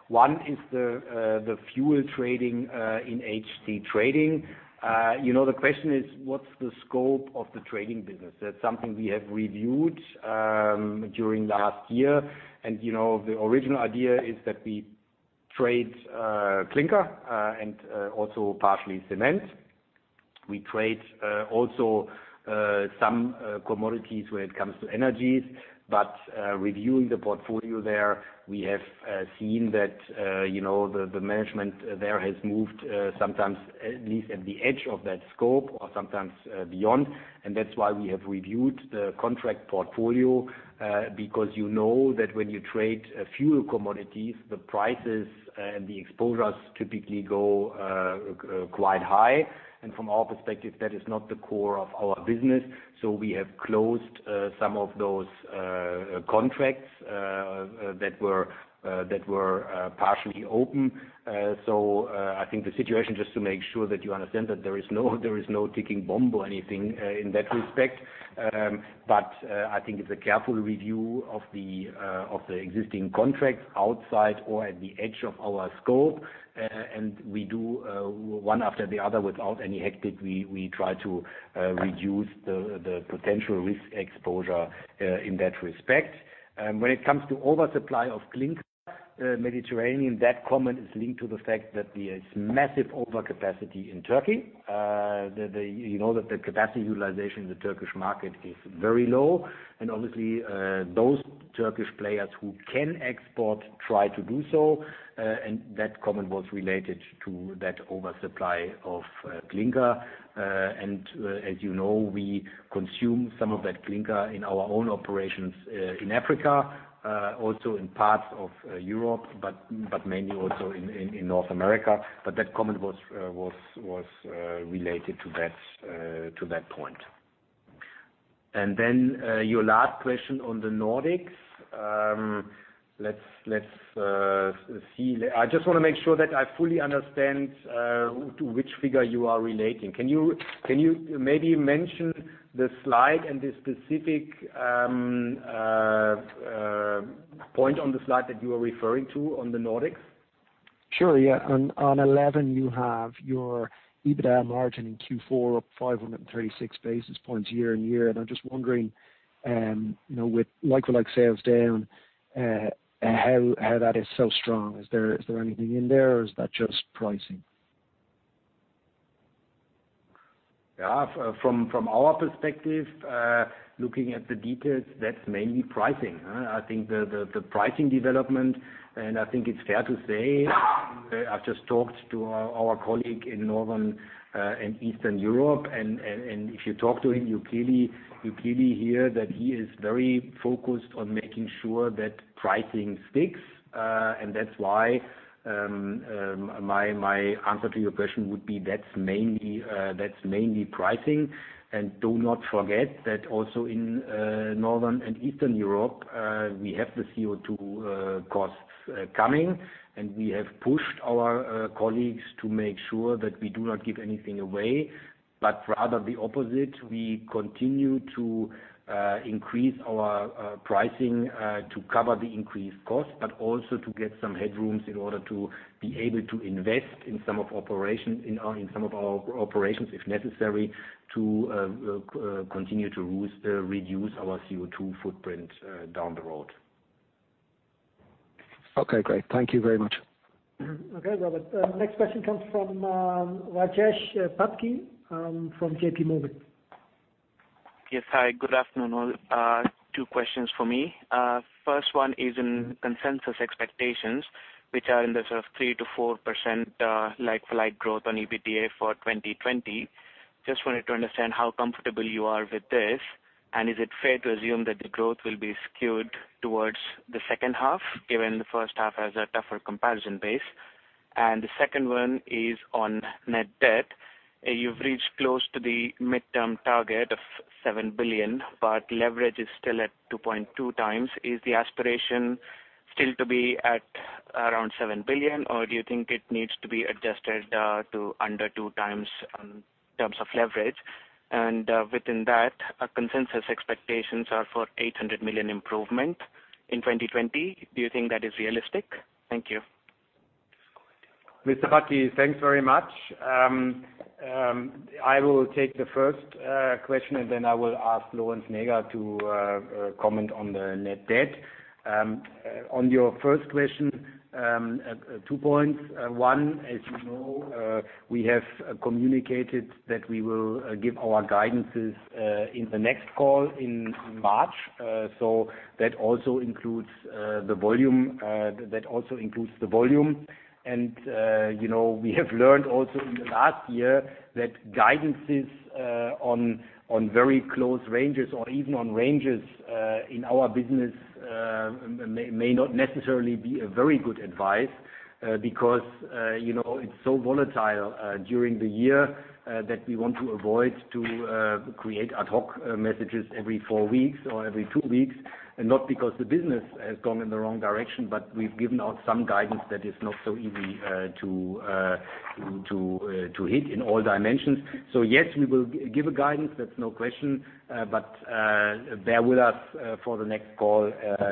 One is the fuel trading in HC Trading. The question is, what's the scope of the trading business? That's something we have reviewed during last year. The original idea is that we trade clinker and also partially cement. We trade also some commodities when it comes to energies. Reviewing the portfolio there, we have seen that the management there has moved sometimes at least at the edge of that scope or sometimes beyond. That's why we have reviewed the contract portfolio, because you know that when you trade fuel commodities, the prices and the exposures typically go quite high, and from our perspective, that is not the core of our business. We have closed some of those contracts that were partially open. I think the situation, just to make sure that you understand that there is no ticking bomb or anything in that respect. I think it's a careful review of the existing contracts outside or at the edge of our scope. We do one after the other without any hectic. We try to reduce the potential risk exposure in that respect. When it comes to oversupply of clinker, Mediterranean, that comment is linked to the fact that there is massive overcapacity in Turkey. You know that the capacity utilization in the Turkish market is very low, and obviously, those Turkish players who can export try to do so. That comment was related to that oversupply of clinker. As you know, we consume some of that clinker in our own operations in Africa, also in parts of Europe, but mainly also in North America. That comment was related to that point. Your last question on the Nordics. Let's see. I just want to make sure that I fully understand to which figure you are relating. Can you maybe mention the slide and the specific point on the slide that you are referring to on the Nordics? Sure, yeah. On 11, you have your EBITDA margin in Q4 up 536 basis points year-on-year. I'm just wondering with like-for-like sales down, how that is so strong. Is there anything in there or is that just pricing? Yeah. From our perspective, looking at the details, that's mainly pricing. I think the pricing development, and I think it's fair to say, I've just talked to our colleague in Northern and Eastern Europe, and if you talk to him, you clearly hear that he is very focused on making sure that pricing sticks. That's why my answer to your question would be that's mainly pricing. Do not forget that also in Northern and Eastern Europe, we have the CO2 costs coming, and we have pushed our colleagues to make sure that we do not give anything away, but rather the opposite. We continue to increase our pricing to cover the increased cost, but also to get some headrooms in order to be able to invest in some of our operations, if necessary, to continue to reduce our CO2 footprint down the road. Okay, great. Thank you very much. Okay, Robert. Next question comes from Rajesh Patki from JPMorgan. Yes, hi. Good afternoon all. Two questions for me. First one is in consensus expectations, which are in the sort of 3%-4% like-for-like growth on EBITDA for 2020. Just wanted to understand how comfortable you are with this, and is it fair to assume that the growth will be skewed towards the second half, given the first half has a tougher comparison base? The second one is on net debt. You've reached close to the midterm target of 7 billion, but leverage is still at 2.2x. Is the aspiration still to be at around 7 billion, or do you think it needs to be adjusted to under two times in terms of leverage? Within that, our consensus expectations are for 800 million improvement in 2020. Do you think that is realistic? Thank you. Mr. Patki, thanks very much. I will take the first question, and then I will ask Lorenz Näger to comment on the net debt. On your first question, two points. One, as you know, we have communicated that we will give our guidances in the next call in March. That also includes the volume. We have learned also in the last year that guidances on very close ranges or even on ranges in our business may not necessarily be a very good advice, because it's so volatile during the year that we want to avoid to create ad hoc messages every four weeks or every two weeks. Not because the business has gone in the wrong direction, but we've given out some guidance that is not so easy to hit in all dimensions. Yes, we will give a guidance, that's no question. Bear with us for the next call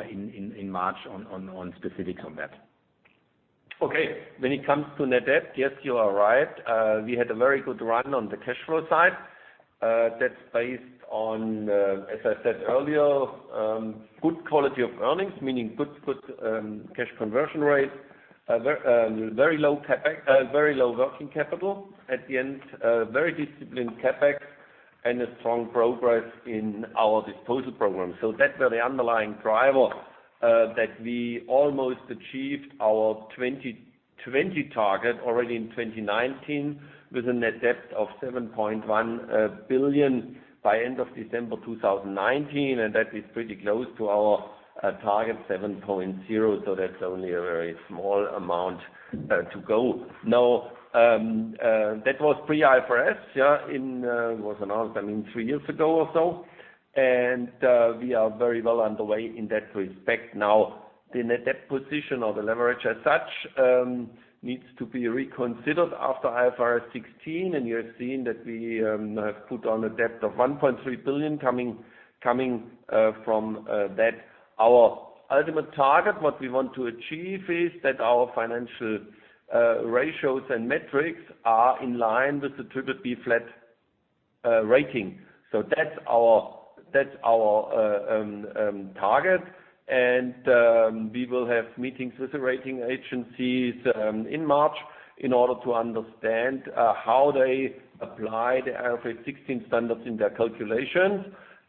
in March on specifics on that. Okay. When it comes to net debt, yes, you are right. We had a very good run on the cash flow side. That's based on, as I said earlier, good quality of earnings, meaning good cash conversion rate, very low working capital at the end, very disciplined CapEx, and a strong progress in our disposal program. That were the underlying drivers that we almost achieved our 2020 target already in 2019, with a net debt of 7.1 billion by end of December 2019. That is pretty close to our target 7.0. That's only a very small amount to go. Now, that was pre-IFRS, yeah? It was announced, three years ago or so. We are very well underway in that respect now. The net debt position or the leverage as such, needs to be reconsidered after IFRS 16, and you have seen that we have put on a debt of 1.3 billion coming from that. Our ultimate target, what we want to achieve is that our financial ratios and metrics are in line with the BBB flat rating. That's our target. We will have meetings with the rating agencies in March in order to understand how they apply the IFRS 16 standards in their calculations.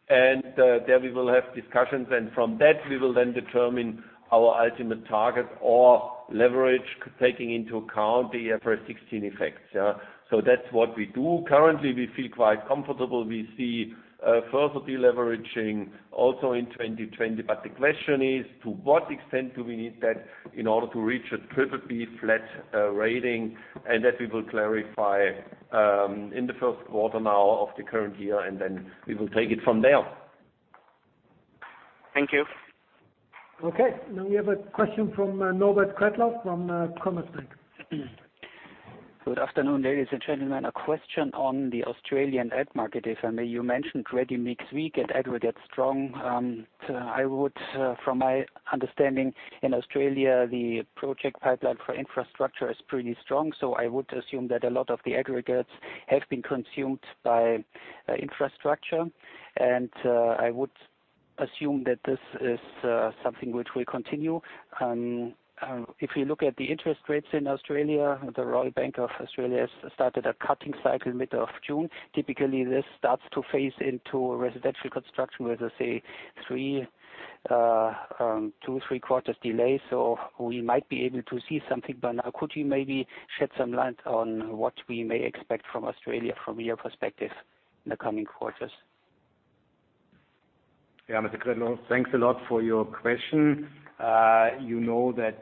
There we will have discussions, and from that we will then determine our ultimate target or leverage, taking into account the IFRS 16 effects. That's what we do. Currently, we feel quite comfortable. We see further deleveraging also in 2020. The question is, to what extent do we need that in order to reach a BBB flat rating? That we will clarify in the first quarter now of the current year, and then we will take it from there. Thank you. Okay, now we have a question from Norbert Kretlow from Commerzbank. Good afternoon, ladies and gentlemen. A question on the Australian ag market, if I may. You mentioned ready-mix weak and aggregate strong. From my understanding, in Australia, the project pipeline for infrastructure is pretty strong. I would assume that a lot of the aggregates have been consumed by infrastructure. I would assume that this is something which will continue. If you look at the interest rates in Australia, the Reserve Bank of Australia has started a cutting cycle middle of June. Typically, this starts to phase into residential construction with a, say, two, three quarters delay. We might be able to see something by now. Could you maybe shed some light on what we may expect from Australia from your perspective in the coming quarters? Mr. Kretlow, thanks a lot for your question. You know that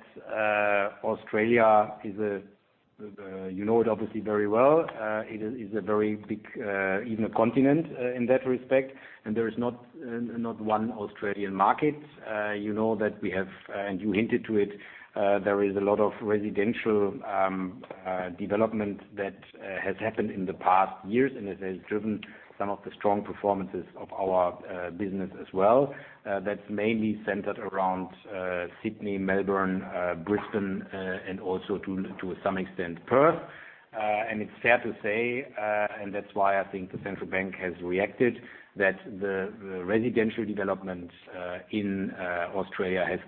Australia, you know it obviously very well. It is a very big, even a continent in that respect. There is not one Australian market. You know that we have, and you hinted to it, there is a lot of residential development that has happened in the past years, and it has driven some of the strong performances of our business as well. That's mainly centered around Sydney, Melbourne, Brisbane, and also to some extent, Perth. It's fair to say, and that's why I think the central bank has reacted, that the residential development in Australia has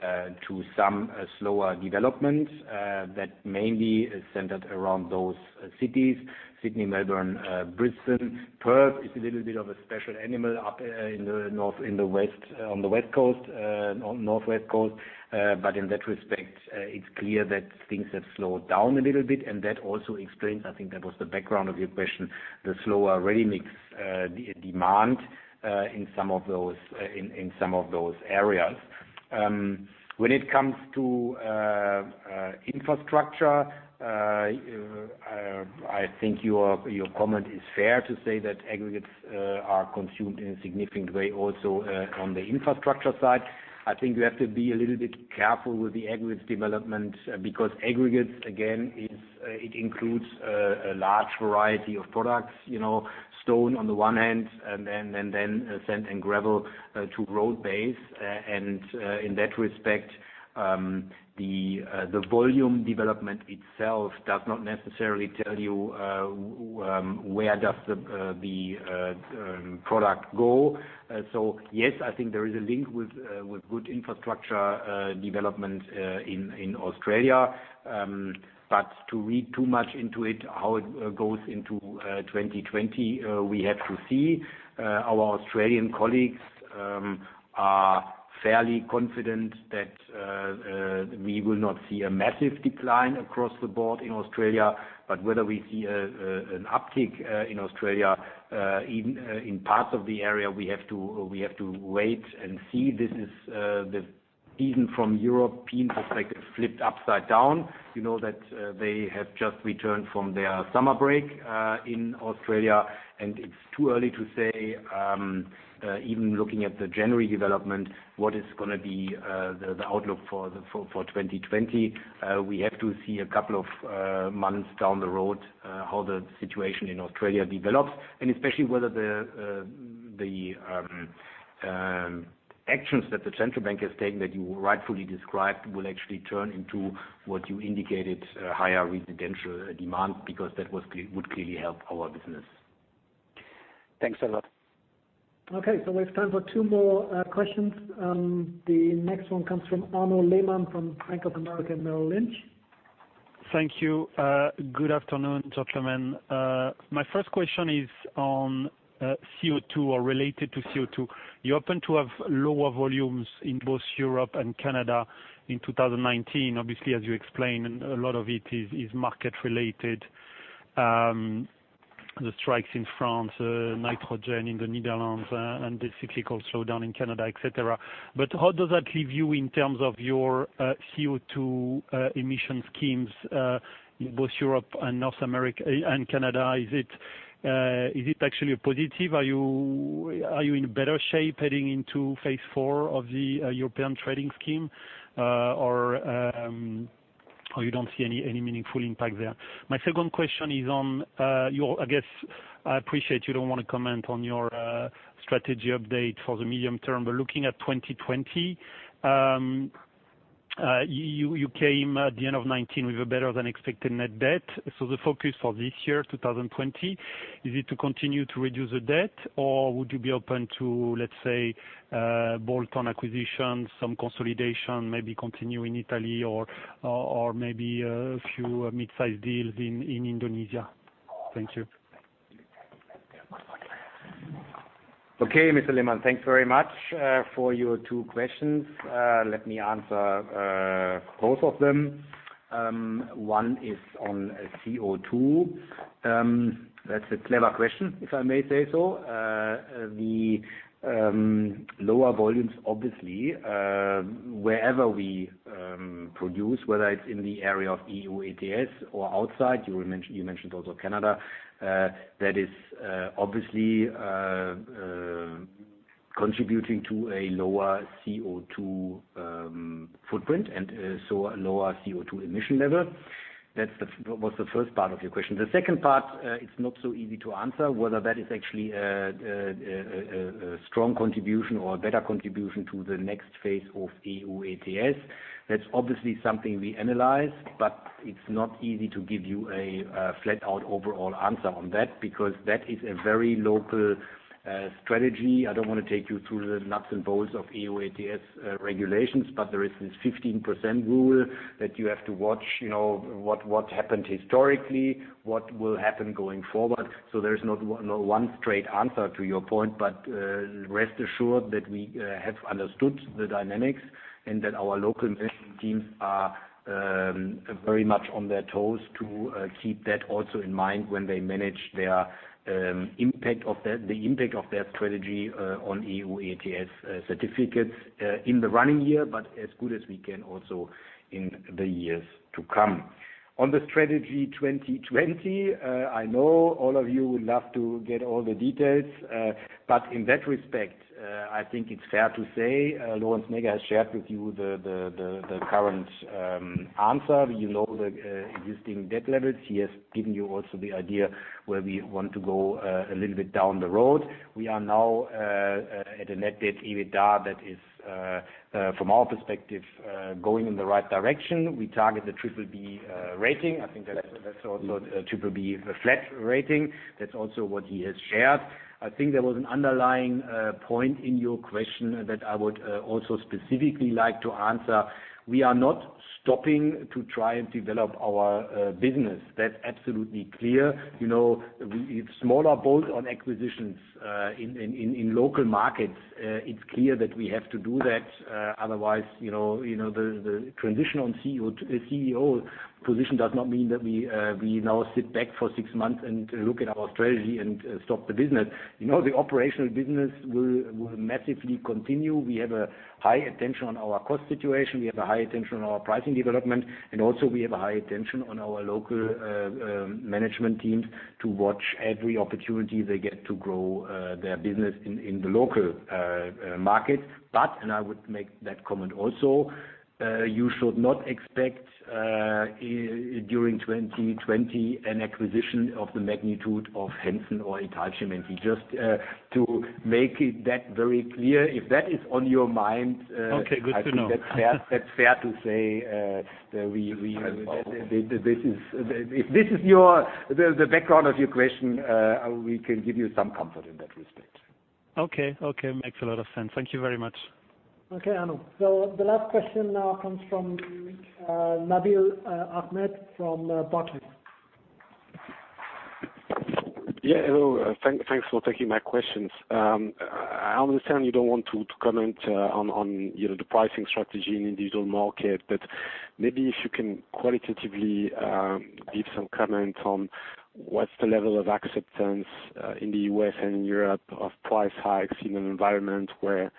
come to some slower development that mainly is centered around those cities, Sydney, Melbourne, Brisbane. Perth is a little bit of a special animal up on the northwest coast. In that respect, it's clear that things have slowed down a little bit, and that also explains, I think that was the background of your question, the slower ready-mix demand in some of those areas. When it comes to infrastructure, I think your comment is fair to say that aggregates are consumed in a significant way also on the infrastructure side. I think you have to be a little bit careful with the aggregates development, because aggregates, again, it includes a large variety of products. Stone on the one hand, and then sand and gravel to road base. In that respect, the volume development itself does not necessarily tell you where does the product go. Yes, I think there is a link with good infrastructure development in Australia. To read too much into it, how it goes into 2020, we have to see. Our Australian colleagues are fairly confident that we will not see a massive decline across the board in Australia. Whether we see an uptick in Australia in parts of the area, we have to wait and see. This is even from European perspective flipped upside down. You know that they have just returned from their summer break in Australia, and it's too early to say, even looking at the January development, what is going to be the outlook for 2020. We have to see a couple of months down the road how the situation in Australia develops, and especially whether the actions that the central bank has taken, that you rightfully described, will actually turn into what you indicated, higher residential demand, because that would clearly help our business. Thanks a lot. Okay, we have time for two more questions. The next one comes from Arnaud Lehmann from Bank of America and Merrill Lynch. Thank you. Good afternoon, gentlemen. My first question is on CO2 or related to CO2. You happen to have lower volumes in both Europe and Canada in 2019. Obviously, as you explained, a lot of it is market related. The strikes in France, nitrogen in the Netherlands, and the cyclical slowdown in Canada, et cetera. How does that leave you in terms of your CO2 emission schemes, both Europe and North America and Canada? Is it actually a positive? Are you in better shape heading into phase four of the European Trading Scheme? You don't see any meaningful impact there? My second question is on your, I guess, I appreciate you don't want to comment on your strategy update for the medium term, but looking at 2020, you came at the end of 2019 with a better-than-expected net debt. The focus for this year, 2020, is it to continue to reduce the debt, or would you be open to, let's say, bolt-on acquisitions, some consolidation, maybe continue in Italy or maybe a few mid-size deals in Indonesia? Thank you. Okay, Mr. Lehmann, thanks very much for your two questions. Let me answer both of them. One is on CO2. That's a clever question, if I may say so. The lower volumes, obviously, wherever we produce, whether it's in the area of EU ETS or outside, you mentioned also Canada, that is obviously contributing to a lower CO2 footprint and so a lower CO2 emission level. That was the first part of your question. The second part, it's not so easy to answer whether that is actually a strong contribution or a better contribution to the next phase of EU ETS. That's obviously something we analyze, but it's not easy to give you a flat-out overall answer on that, because that is a very local strategy. I don't want to take you through the nuts and bolts of EU ETS regulations, but there is this 15% rule that you have to watch, what happened historically, what will happen going forward. There's not one straight answer to your point, but rest assured that we have understood the dynamics and that our local management teams are very much on their toes to keep that also in mind when they manage the impact of their strategy on EU ETS certificates in the running year, but as good as we can also in the years to come. On the strategy 2020, I know all of you would love to get all the details, but in that respect, I think it's fair to say, Lorenz Näger has shared with you the current answer. You know the existing debt levels. He has given you also the idea where we want to go a little bit down the road. We are now at a net debt EBITDA that is, from our perspective, going in the right direction. We target the BBB rating. I think that's also BBB flat rating. That's also what he has shared. I think there was an underlying point in your question that I would also specifically like to answer. We are not stopping to try and develop our business. That's absolutely clear. If smaller bolt-on acquisitions in local markets, it's clear that we have to do that. Otherwise, the transition on CEO position does not mean that we now sit back for six months and look at our strategy and stop the business. The operational business will massively continue. We have a high attention on our cost situation. We have a high attention on our pricing development, and also we have a high attention on our local management teams to watch every opportunity they get to grow their business in the local market. And I would make that comment also, you should not expect, during 2020, an acquisition of the magnitude of Hanson or Italcementi. Just to make that very clear, if that is on your mind. Okay, good to know. I think that's fair to say. If this is the background of your question, we can give you some comfort in that respect. Okay. Makes a lot of sense. Thank you very much. Okay, Arnaud. The last question now comes from Nabil Ahmed from Barclays. Yeah, hello. Thanks for taking my questions. I understand you don't want to comment on the pricing strategy in the digital market. Maybe if you can qualitatively give some comments on what's the level of acceptance in the U.S. and Europe of price hikes in an environment where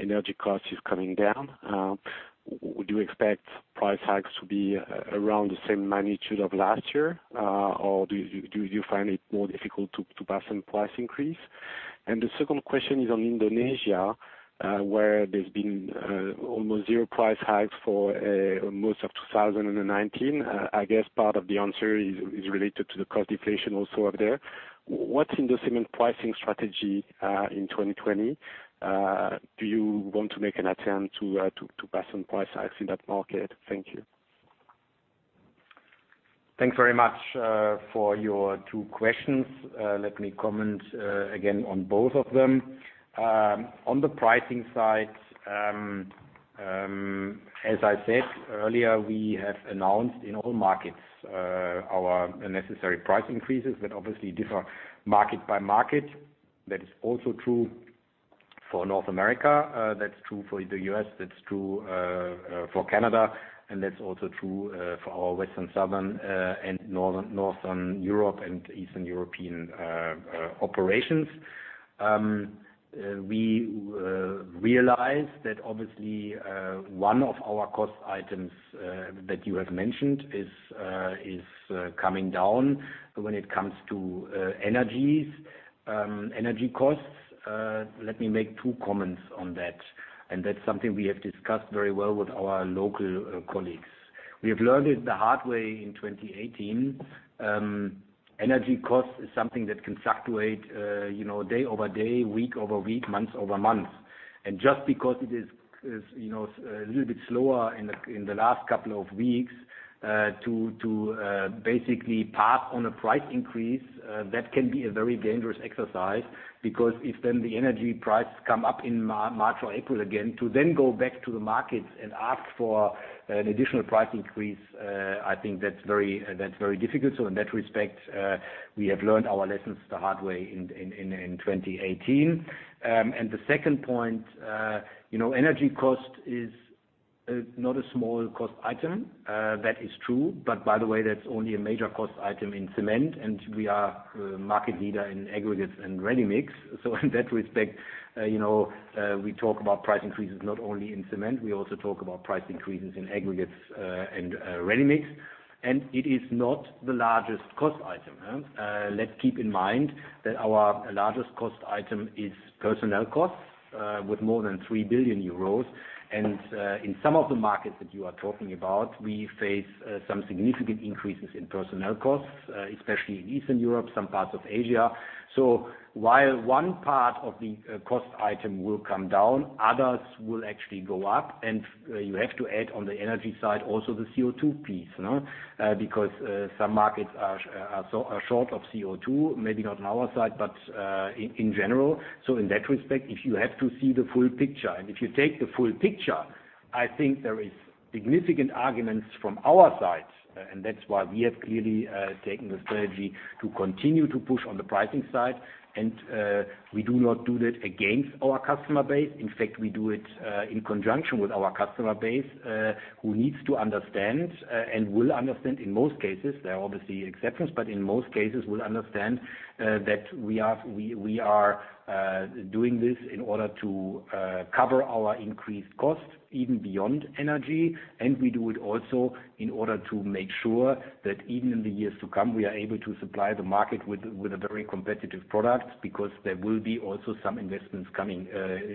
energy cost is coming down. Would you expect price hikes to be around the same magnitude of last year? Do you find it more difficult to pass on price increase? The second question is on Indonesia, where there's been almost zero price hikes for most of 2019. I guess part of the answer is related to the cost deflation also up there. What's in the cement pricing strategy in 2020? Do you want to make an attempt to pass on price hikes in that market? Thank you. Thanks very much for your two questions. Let me comment again on both of them. On the pricing side, as I said earlier, we have announced in all markets our necessary price increases that obviously differ market by market. That is also true for North America, that's true for the U.S., that's true for Canada, and that's also true for our Western Southern and Northern Europe and Eastern European operations. We realized that obviously, one of our cost items that you have mentioned is coming down when it comes to energy costs. Let me make two comments on that, and that's something we have discussed very well with our local colleagues. We have learned it the hard way in 2018. Energy cost is something that can fluctuate day over day, week over week, month over month. Just because it is a little bit slower in the last couple of weeks to basically pass on a price increase, that can be a very dangerous exercise, because if then the energy price come up in March or April again, to then go back to the markets and ask for an additional price increase, I think that's very difficult. In that respect, we have learned our lessons the hard way in 2018. The second point, energy cost is not a small cost item. That is true, but by the way, that's only a major cost item in cement, and we are market leader in aggregates and ready-mix. In that respect, we talk about price increases not only in cement, we also talk about price increases in aggregates and ready-mix. It is not the largest cost item. Let's keep in mind that our largest cost item is personnel costs, with more than 3 billion euros. In some of the markets that you are talking about, we face some significant increases in personnel costs, especially in Eastern Europe, some parts of Asia. While one part of the cost item will come down, others will actually go up. You have to add on the energy side also the CO2 piece. Because some markets are short of CO2, maybe not on our side, but in general. In that respect, if you have to see the full picture and if you take the full picture, I think there is significant arguments from our side. That's why we have clearly taken the strategy to continue to push on the pricing side. We do not do that against our customer base. In fact, we do it in conjunction with our customer base, who needs to understand and will understand in most cases, there are obviously exceptions, but in most cases will understand that we are doing this in order to cover our increased cost, even beyond energy. We do it also in order to make sure that even in the years to come, we are able to supply the market with a very competitive product because there will be also some investments coming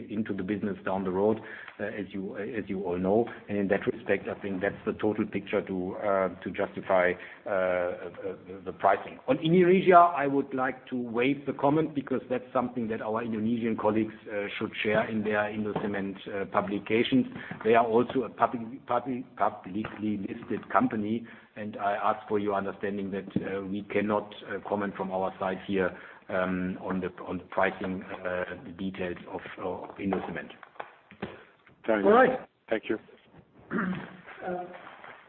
into the business down the road, as you all know. In that respect, I think that's the total picture to justify the pricing. On Indonesia, I would like to waive the comment because that's something that our Indonesian colleagues should share in their Indocement publications. They are also a publicly listed company. I ask for your understanding that we cannot comment from our side here on the pricing details of Indocement. Very well. Thank you.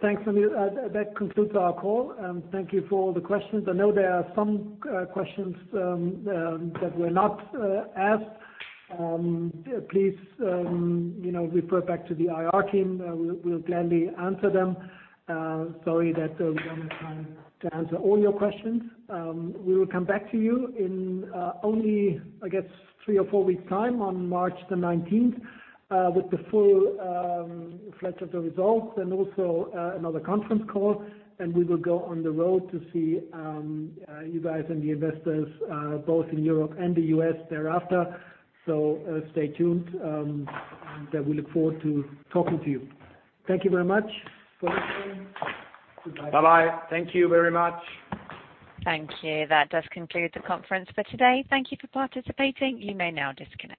Thanks, Nabil. That concludes our call. Thank you for all the questions. I know there are some questions that were not asked. Please refer back to the IR team. We'll gladly answer them. Sorry that we don't have time to answer all your questions. We will come back to you in only, I guess, three or four weeks' time on March the 19th, with the full breadth of the results and also another conference call. We will go on the road to see you guys and the investors, both in Europe and the U.S. thereafter. Stay tuned. That we look forward to talking to you. Thank you very much for listening. Goodbye. Bye-bye. Thank you very much. Thank you. That does conclude the conference for today. Thank you for participating. You may now disconnect.